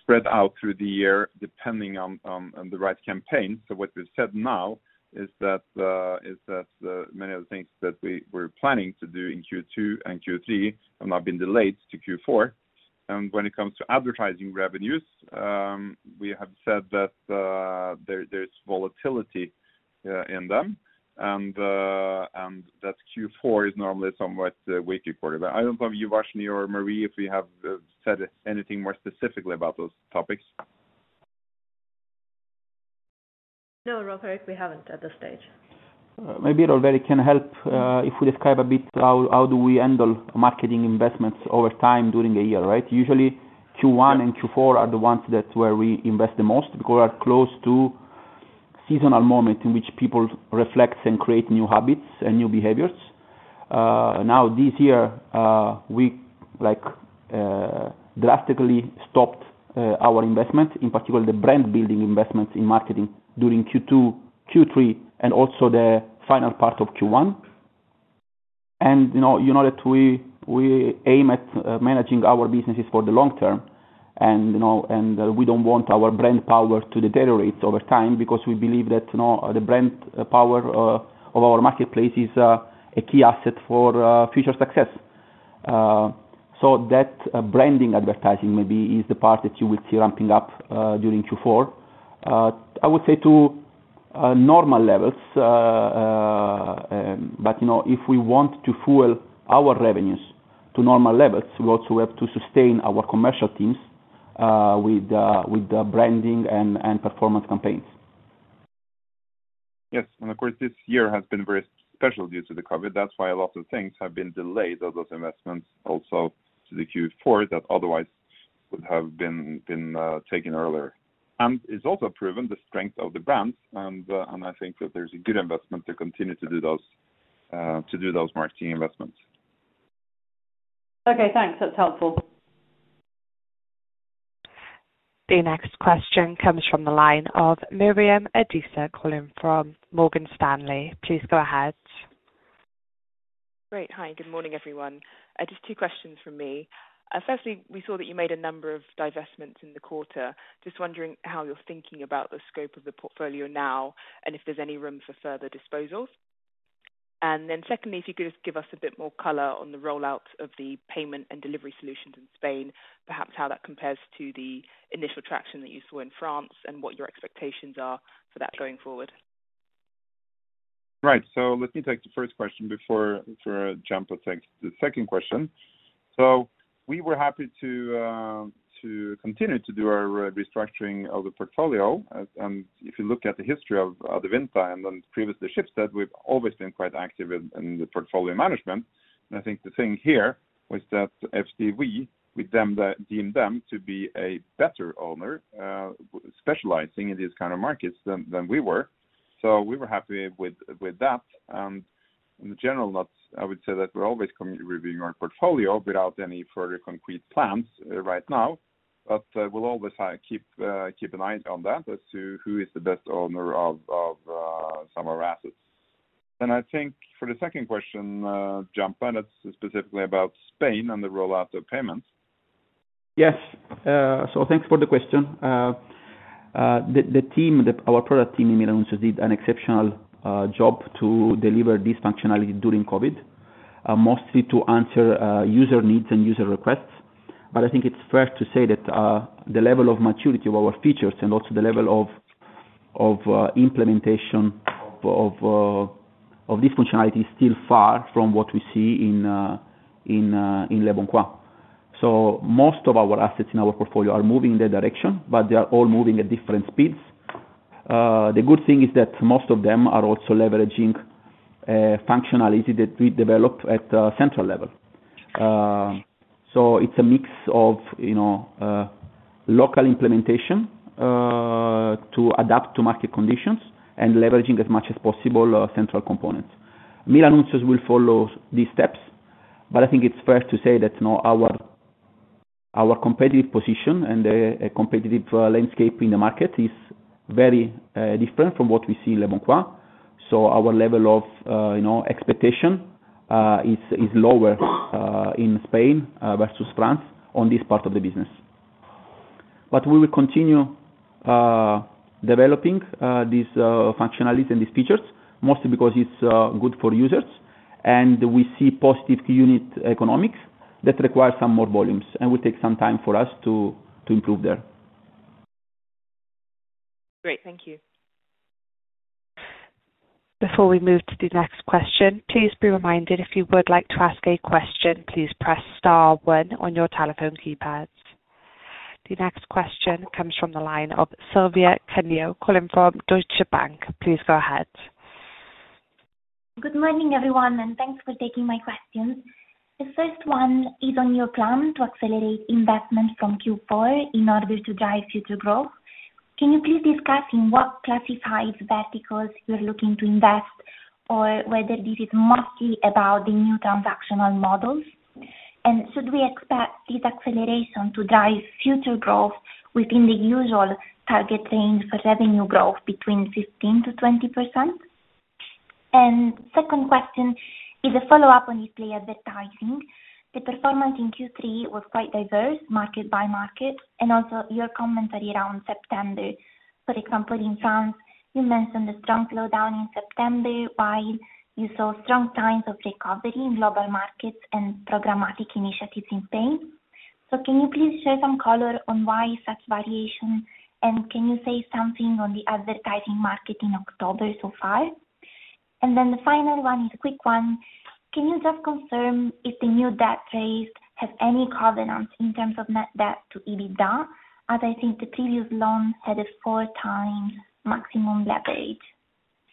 spread out through the year depending on the right campaign. What we've said now is that many of the things that we were planning to do in Q2 and Q3 have now been delayed to Q4. When it comes to advertising revenues, we have said that there's volatility in them, and that Q4 is normally a somewhat weaker quarter. I don't know if Uvashni or Marie, if we have said anything more specifically about those topics. No, Rolv Erik, we haven't at this stage. Maybe, Rolv Erik, it can help if we describe a bit how do we handle marketing investments over time during a year, right? Usually Q1 and Q4 are the ones that where we invest the most because we are close to seasonal moment in which people reflect and create new habits and new behaviors. This year, we drastically stopped our investment, in particular the brand-building investments in marketing during Q2, Q3, and also the final part of Q1. You know that we aim at managing our businesses for the long term, and we don't want our brand power to deteriorate over time because we believe that the brand power of our marketplace is a key asset for future success. That branding advertising maybe is the part that you will see ramping up, during Q4, I would say to normal levels. If we want to fuel our revenues to normal levels, we also have to sustain our commercial teams with the branding and performance campaigns. Yes, this year has been very special due to the COVID-19. That's why a lot of things have been delayed. All those investments also to the Q4 that otherwise would have been taken earlier. It's also proven the strength of the brands, and I think that there's a good investment to continue to do those marketing investments. Okay, thanks. That's helpful. The next question comes from the line of Miriam Adisa calling from Morgan Stanley. Please go ahead. Great. Hi, good morning, everyone. Just two questions from me. Firstly, we saw that you made a number of divestments in the quarter. Just wondering how you're thinking about the scope of the portfolio now and if there's any room for further disposals. Secondly, if you could just give us a bit more color on the rollout of the payment and delivery solutions in Spain, perhaps how that compares to the initial traction that you saw in France, and what your expectations are for that going forward. Let me take the first question before Gianpa takes the second question. We were happy to continue to do our restructuring of the portfolio. If you look at the history of Adevinta and previously Schibsted, we've always been quite active in the portfolio management. I think the thing here was that FDV deemed them to be a better owner, specializing in these kind of markets than we were. We were happy with that. In general, now, I would say that we're always reviewing our portfolio without any further concrete plans right now. We'll always keep an eye on that as to who is the best owner of some of our assets. I think for the second question, Gianpa, that's specifically about Spain and the rollout of payments. Yes. Thanks for the question. Our product team in Milan did an exceptional job to deliver this functionality during COVID, mostly to answer user needs and user requests. I think it's fair to say that the level of maturity of our features and also the level of implementation of this functionality is still far from what we see in leboncoin. Most of our assets in our portfolio are moving in that direction, but they are all moving at different speeds. The good thing is that most of them are also leveraging functionality that we developed at a central level. It's a mix of local implementation to adapt to market conditions and leveraging as much as possible central components. Milanuncios will follow these steps. I think it's fair to say that our competitive position and the competitive landscape in the market is very different from what we see in leboncoin. Our level of expectation is lower in Spain versus France on this part of the business. We will continue developing these functionalities and these features, mostly because it's good for users, and we see positive unit economics that require some more volumes and will take some time for us to improve there. Great. Thank you. Before we move to the next question, please be Reminded, if you would like to ask a question, please press star one on your telephone keypad. The next question comes from the line of Silvia Cuneo calling from Deutsche Bank. Please go ahead. Good morning, everyone. Thanks for taking my questions. The first one is on your plan to accelerate investment from Q4 in order to drive future growth. Can you please discuss in what classified verticals you're looking to invest or whether this is mostly about the new transactional models? Should we expect this acceleration to drive future growth within the usual targeting for revenue growth between 15%-20%? Second question is a follow-up on display advertising. The performance in Q3 was quite diverse market by market, and also your commentary around September. For example, in France, you mentioned a strong slowdown in September, while you saw strong signs of recovery in global markets and programmatic initiatives in Spain. Can you please share some color on why such variation, and can you say something on the advertising market in October so far? The final one is a quick one. Can you just confirm if the new debt raised has any covenants in terms of net debt to EBITDA, as I think the previous loan had a 4x maximum leverage?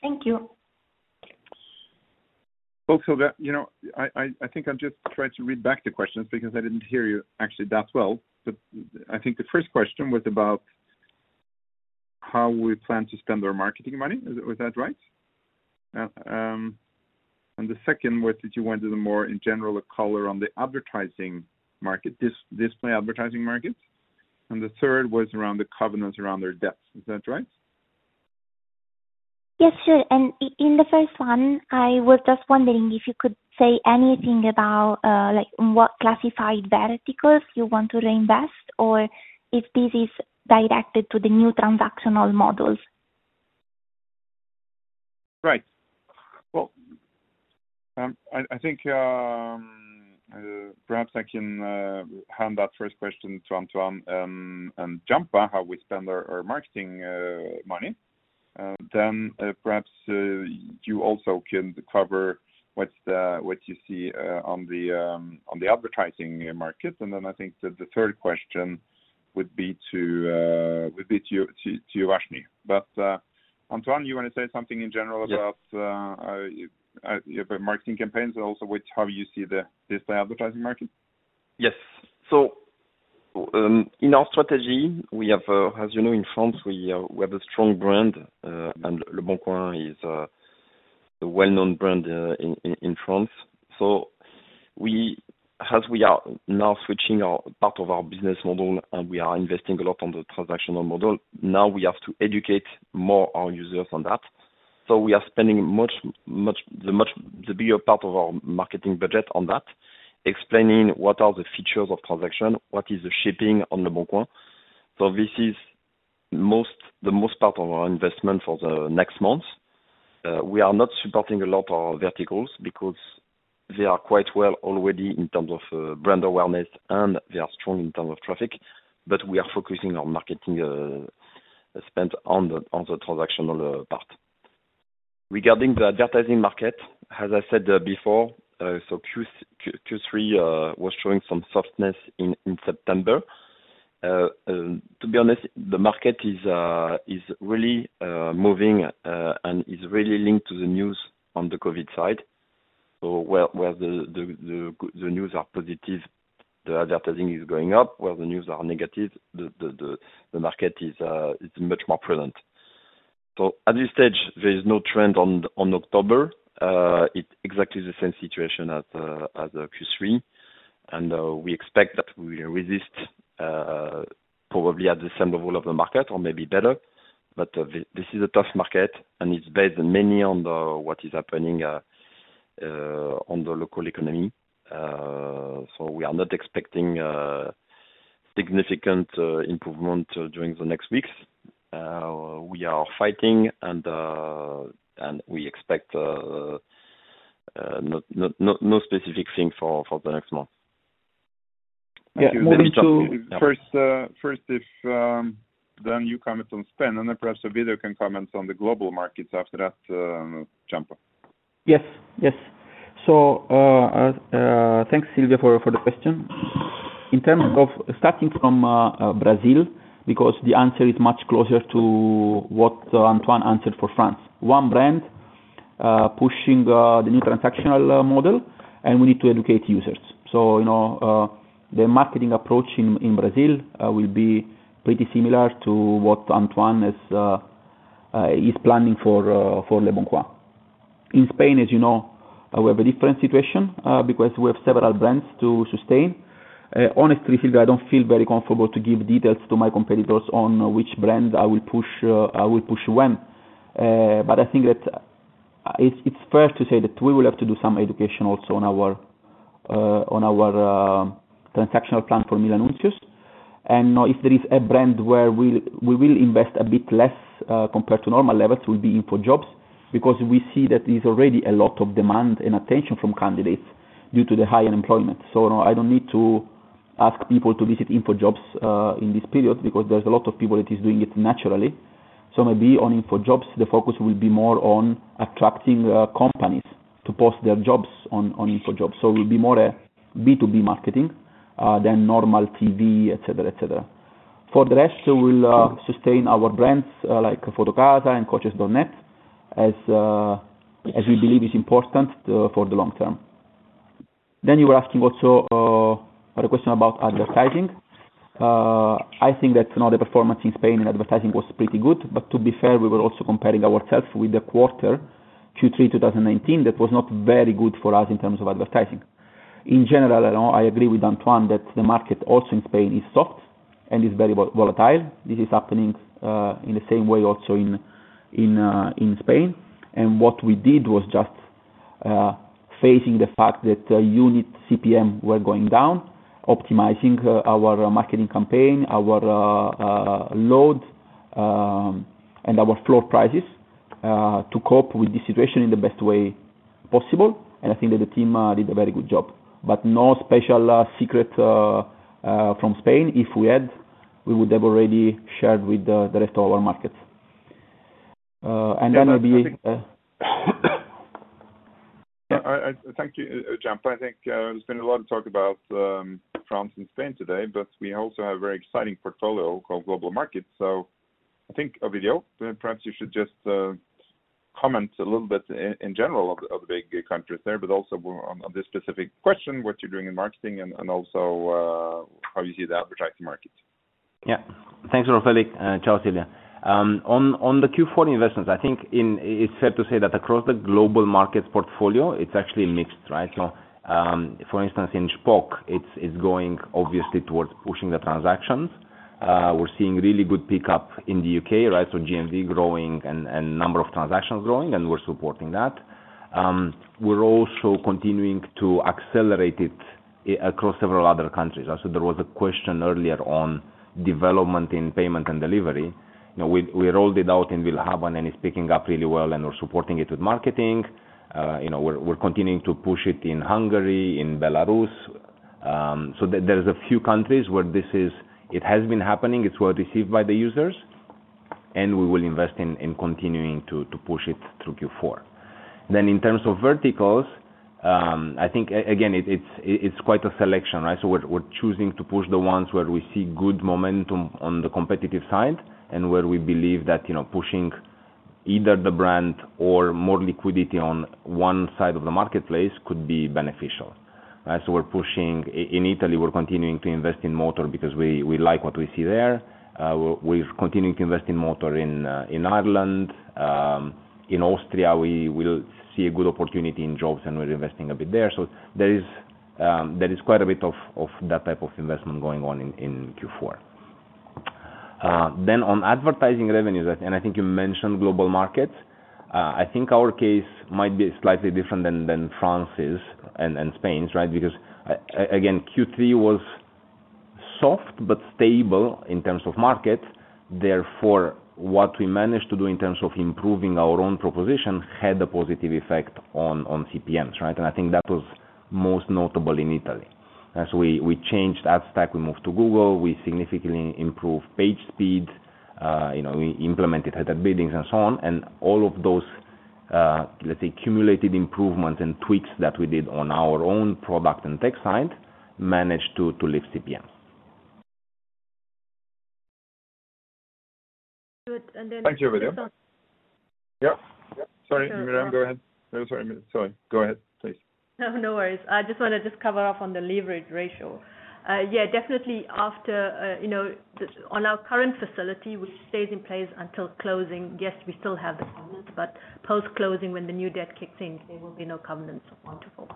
Thank you. Silvia, I think I'll just try to read back the questions because I didn't hear you actually that well. I think the first question was about how we plan to spend our marketing money. Was that right? The second was that you wanted a more in general a color on the advertising market, display advertising markets. The third was around the covenants around their debts. Is that right? Yes, sure. In the first one, I was just wondering if you could say anything about what classified verticals you want to reinvest or if this is directed to the new transactional models? Right. Well, I think perhaps I can hand that first question to Antoine and Gianpa, how we spend our marketing money. Perhaps you also can cover what you see on the advertising market. I think that the third question would be to Uvashni. Antoine, you want to say something in general about your marketing campaigns, and also how you see the display advertising market? Yes. In our strategy, as you know, in France, we have a strong brand, and leboncoin is a well-known brand in France. As we are now switching out part of our business model and we are investing a lot on the transactional model, now we have to educate more our users on that. We are spending the bigger part of our marketing budget on that, explaining what are the features of transaction, what is the shipping on leboncoin. This is the most part of our investment for the next months. We are not supporting a lot of verticals because they are quite well already in terms of brand awareness, and they are strong in terms of traffic. We are focusing our marketing spend on the transactional part. Regarding the advertising market, as I said before, Q3 was showing some softness in September. To be honest, the market is really moving, and is really linked to the news on the COVID side. Where the news are positive, the advertising is going up. Where the news are negative, the market is much more prevalent. At this stage, there is no trend on October. It's exactly the same situation as Q3. We expect that we resist probably at the same level of the market or maybe better. This is a tough market, and it's based mainly on what is happening on the local economy. We are not expecting significant improvement during the next weeks. We are fighting, and we expect no specific thing for the next month. Moving to- first if Gianpa you comment on spend, and then perhaps Ovidiu can comment on the global markets after that, Gianpa. Yes. Thanks, Silvia, for the question. In terms of starting from Brazil, because the answer is much closer to what Antoine answered for France. One brand, pushing the new transactional model, and we need to educate users. The marketing approach in Brazil will be pretty similar to what Antoine is planning for leboncoin. In Spain, as you know, we have a different situation, because we have several brands to sustain. Honestly, Silvia, I don't feel very comfortable to give details to my competitors on which brands I will push when. I think that it's fair to say that we will have to do some education also on our transactional plan for Milanuncios. Now if there is a brand where we will invest a bit less, compared to normal levels, will be InfoJobs, because we see that there's already a lot of demand and attention from candidates due to the high unemployment. Now I don't need to ask people to visit InfoJobs in this period because there's a lot of people that is doing it naturally. Maybe on InfoJobs, the focus will be more on attracting companies to post their jobs on InfoJobs. It will be more a B2B marketing than normal TV, et cetera. For the rest, we'll sustain our brands, like Fotocasa and Coches.net, as we believe is important for the long term. You were asking also a question about advertising. I think that now the performance in Spain in advertising was pretty good. To be fair, we were also comparing ourselves with the quarter Q3 2019. That was not very good for us in terms of advertising. In general, I agree with Antoine that the market also in Spain is soft and is very volatile. This is happening in the same way also in Spain. What we did was just facing the fact that unit CPM were going down, optimizing our marketing campaign, our load, and our floor prices, to cope with the situation in the best way possible, and I think that the team did a very good job. No special secret from Spain. If we had, we would have already shared with the rest of our markets. Yeah. Thank you, Gianpa. I think there's been a lot of talk about France and Spain today, but we also have a very exciting portfolio called Global Market. I think, Ovidiu, perhaps you should just comment a little bit in general of the countries there, but also on this specific question, what you're doing in marketing and also how you see the advertising market. Thanks, Rolv Erik. Ciao, Silvia. On the Q4 investments, I think it's fair to say that across the global markets portfolio, it's actually mixed. For instance, in Shpock, it's going obviously towards pushing the transactions. We're seeing really good pickup in the U.K. GMV growing and number of transactions growing, and we're supporting that. We're also continuing to accelerate it across several other countries. There was a question earlier on development in payment and delivery. We rolled it out in willhaben and it's picking up really well, and we're supporting it with marketing. We're continuing to push it in Hungary, in Belarus. There's a few countries where it has been happening. It's well-received by the users, we will invest in continuing to push it through Q4. In terms of verticals, I think, again, it's quite a selection, right? We're choosing to push the ones where we see good momentum on the competitive side, and where we believe that pushing either the brand or more liquidity on one side of the marketplace could be beneficial. We're pushing. In Italy, we're continuing to invest in motor because we like what we see there. We're continuing to invest in motor in Ireland. In Austria, we will see a good opportunity in jobs, and we're investing a bit there. There is quite a bit of that type of investment going on in Q4. On advertising revenues, I think you mentioned global markets. I think our case might be slightly different than France's and Spain's, right? Again, Q3 was soft but stable in terms of markets. Therefore, what we managed to do in terms of improving our own proposition had a positive effect on CPMs, right? I think that was most notable in Italy. As we changed ad stack, we moved to Google, we significantly improved page speed. We implemented header bidding and so on. All of those, let's say, cumulative improvements and tweaks that we did on our own product and tech side managed to lift CPM. Good, and then- Thank you, Ovidiu. Yep. Sorry, Miriam, go ahead. Miriam, sorry. Go ahead, please. No, no worries. I just want to just cover off on the leverage ratio. On our current facility, which stays in place until closing, yes, we still have the covenant, but post-closing, when the new debt kicks in, there will be no covenants on top of it.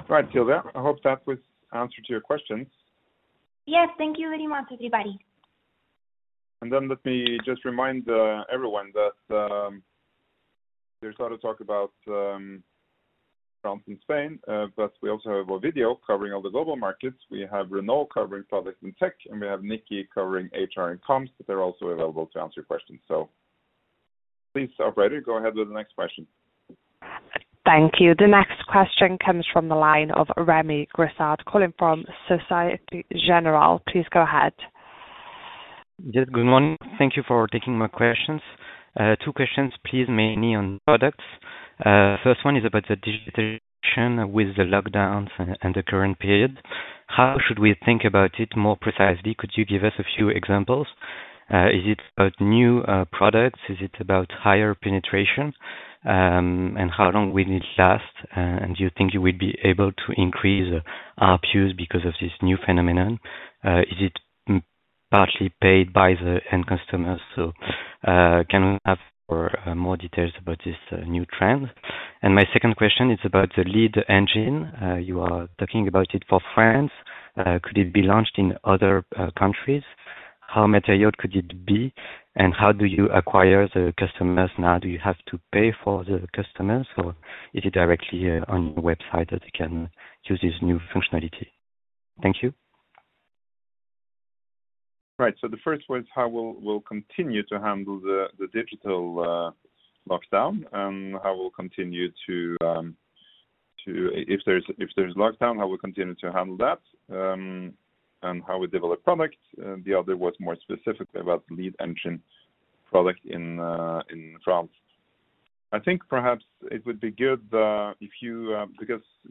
All right, Silvia, I hope that was answer to your questions. Yes. Thank you very much, everybody. Let me just Remind everyone that there's a lot of talk about France and Spain, but we also have Ovidiu covering all the global markets. We have Renaud covering Product and Tech, and we have Nicki covering HR and Comms, but they're also available to answer your questions. Please, operator, go ahead with the next question. Thank you. The next question comes from the line of Rémi Grisard, calling from Societe Generale. Please go ahead. Yes, good morning. Thank you for taking my questions. Two questions, please, mainly on products. First one is about the digitization with the lockdowns and the current period. How should we think about it more precisely? Could you give us a few examples? Is it about new products? Is it about higher penetration? How long will it last? Do you think you will be able to increase ARPUs because of this new phenomenon? Is it partially paid by the end customers? Can we have more details about this new trend? My second question is about the lead engine. You are talking about it for France. Could it be launched in other countries? How material could it be? How do you acquire the customers now? Do you have to pay for the customers, or is it directly on your website that they can use this new functionality? Thank you. Right. The first one is how we'll continue to handle the digital lockdown, and if there's lockdown, how we'll continue to handle that, and how we develop product. The other was more specific about lead engine product in France. I think perhaps it would be good if you.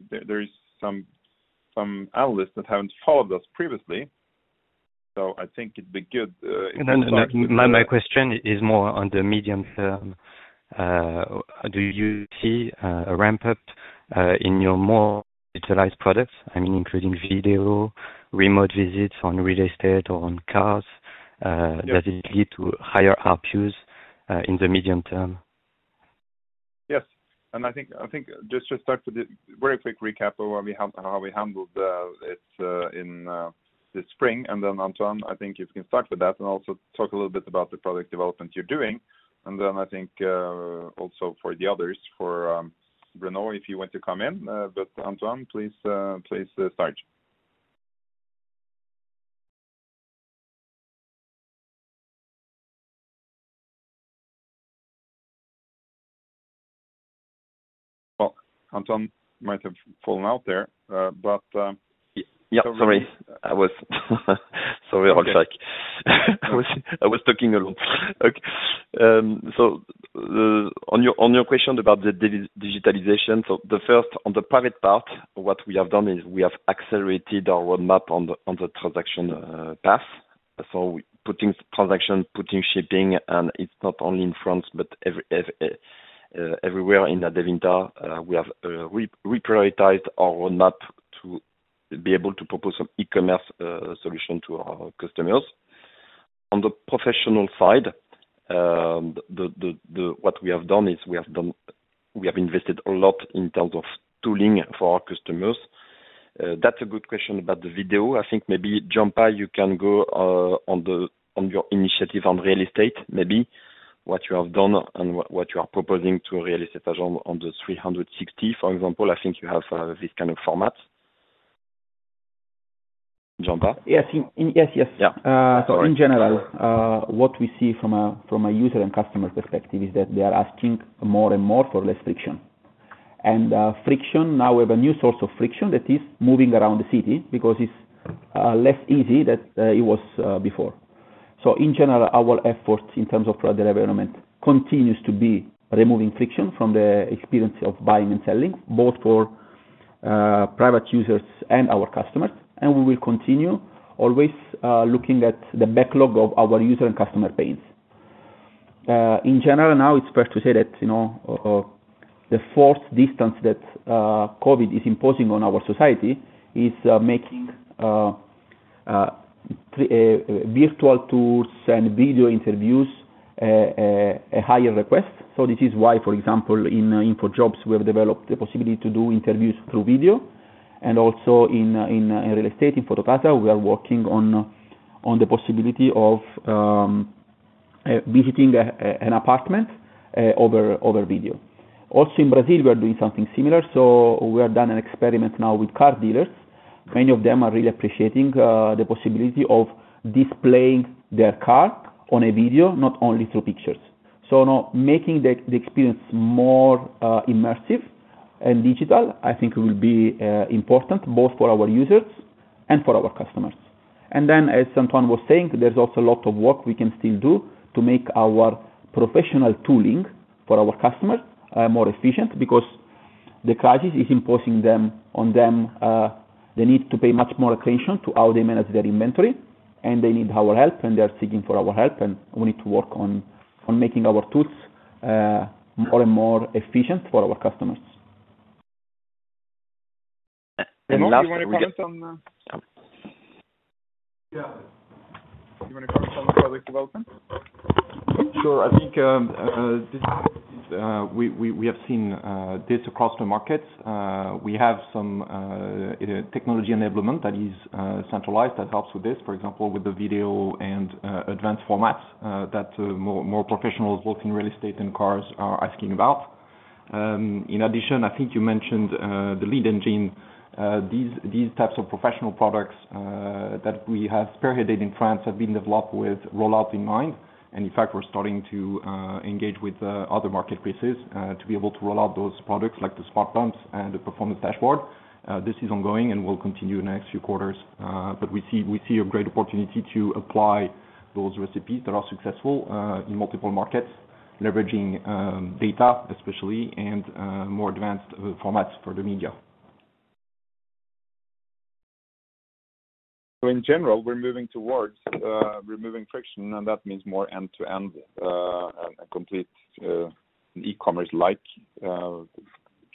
There are some analysts that haven't followed us previously, so I think it'd be good if. No. My question is more on the medium term. Do you see a ramp-up in your more digitalized products, I mean, including video, remote visits on real estate or on cars? Does it lead to higher ARPUs in the medium term? Yes. I think just to start with a very quick recap of how we handled it in the spring. Antoine, I think you can start with that and also talk a little bit about the product development you're doing. I think also for the others, for Renaud, if you want to come in. Antoine, please start. Well, Antoine might have fallen out there. Sorry. Sorry, I was talking a lot. On your question about the digitalization. The first, on the private part, what we have done is we have accelerated our roadmap on the transaction path. Putting transaction, putting shipping, it's not only in France but everywhere in Adevinta. We prioritized our roadmap to be able to propose an e-commerce solution to our customers. On the professional side, what we have done is we have invested a lot in terms of tooling for our customers. That's a good question about the video. I think maybe, Gianpa, you can go on your initiative on real estate, maybe what you have done and what you are proposing to real estate agent on the 360, for example. I think you have this kind of format. Gianpa? Yes. Yeah. Sorry. In general, what we see from a user and customer perspective is that they are asking more and more for less friction. Now we have a new source of friction that is moving around the city because it's less easy than it was before. In general, our efforts in terms of product development continues to be removing friction from the experience of buying and selling, both for private users and our customers. We will continue always looking at the backlog of our user and customer base. In general, now it's fair to say that the fourth distance that COVID-19 is imposing on our society is making virtual tools and video interviews a higher request. This is why, for example, in InfoJobs, we have developed the possibility to do interviews through video. Also in real estate, in Fotocasa, we are working on the possibility of visiting an apartment over video. Also in Brazil, we're doing something similar. We have done an experiment now with car dealers. Many of them are really appreciating the possibility of displaying their car on a video, not only through pictures. Now making the experience more immersive and digital, I think will be important both for our users and for our customers. Then, as Antoine was saying, there's also a lot of work we can still do to make our professional tooling for our customers more efficient because the crisis is imposing on them the need to pay much more attention to how they manage their inventory, and they need our help, and they are seeking for our help, and we need to work on making our tools more and more efficient for our customers. Renaud, do you want to comment on the product development? Sure. I think we have seen this across the markets. We have some technology enablement that is centralized that helps with this, for example, with the video and advanced formats that more professionals both in real estate and cars are asking about. I think you mentioned the lead engine. These types of professional products that we have spearheaded in France have been developed with rollout in mind. In fact, we're starting to engage with other marketplaces to be able to roll out those products like the smart bumps and the performance dashboard. This is ongoing and will continue in the next few quarters. We see a great opportunity to apply those recipes that are successful in multiple markets, leveraging data especially, and more advanced formats for the media. In general, we're moving towards removing friction, and that means more end-to-end and complete e-commerce-like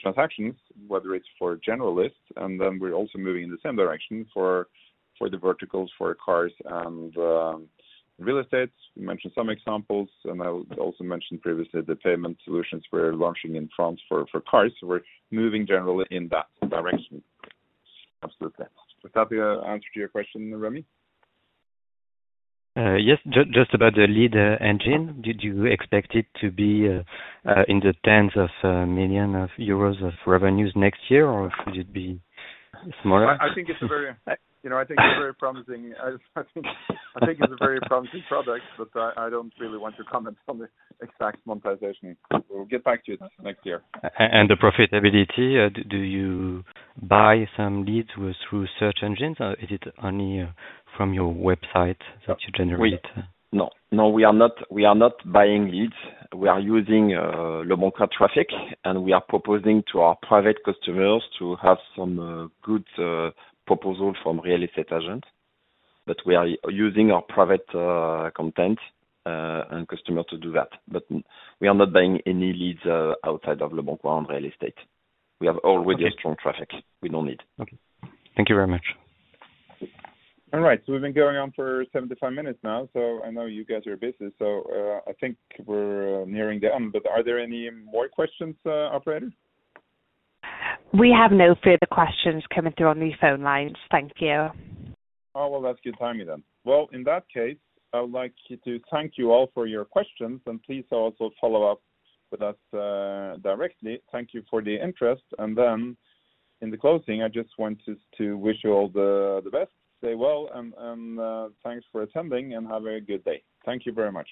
transactions, whether it's for general lists, and then we're also moving in the same direction for the verticals for cars and real estate. We mentioned some examples, and I also mentioned previously the payment solutions we're launching in France for cars. We're moving generally in that direction. Absolutely. Does that answer your question, Rémi? Yes. Just about the lead engine. Did you expect it to be in the tens of millions of euros of revenues next year, or could it be smaller? I think it's a very promising product, I don't really want to comment on the exact monetization. We'll get back to you next year. The profitability, do you buy some leads through search engines, or is it only from your website that you generate? No, we are not buying leads. We are using leboncoin traffic, and we are proposing to our private customers to have some good proposals from real estate agents. We are using our private content and customer to do that. We are not buying any leads outside of leboncoin on real estate. We have already a strong traffic. We don't need. Okay. Thank you very much. All right. We've been going on for 75 minutes now, so I know you guys are busy, so I think we're nearing the end. Are there any more questions, operator? We have no further questions coming through on these phone lines. Thank you. Oh, well, that's good timing then. Well, in that case, I would like to thank you all for your questions, and please also follow up with us directly. Thank you for the interest. In the closing, I just wanted to wish you all the best, stay well, and thanks for attending, and have a good day. Thank you very much.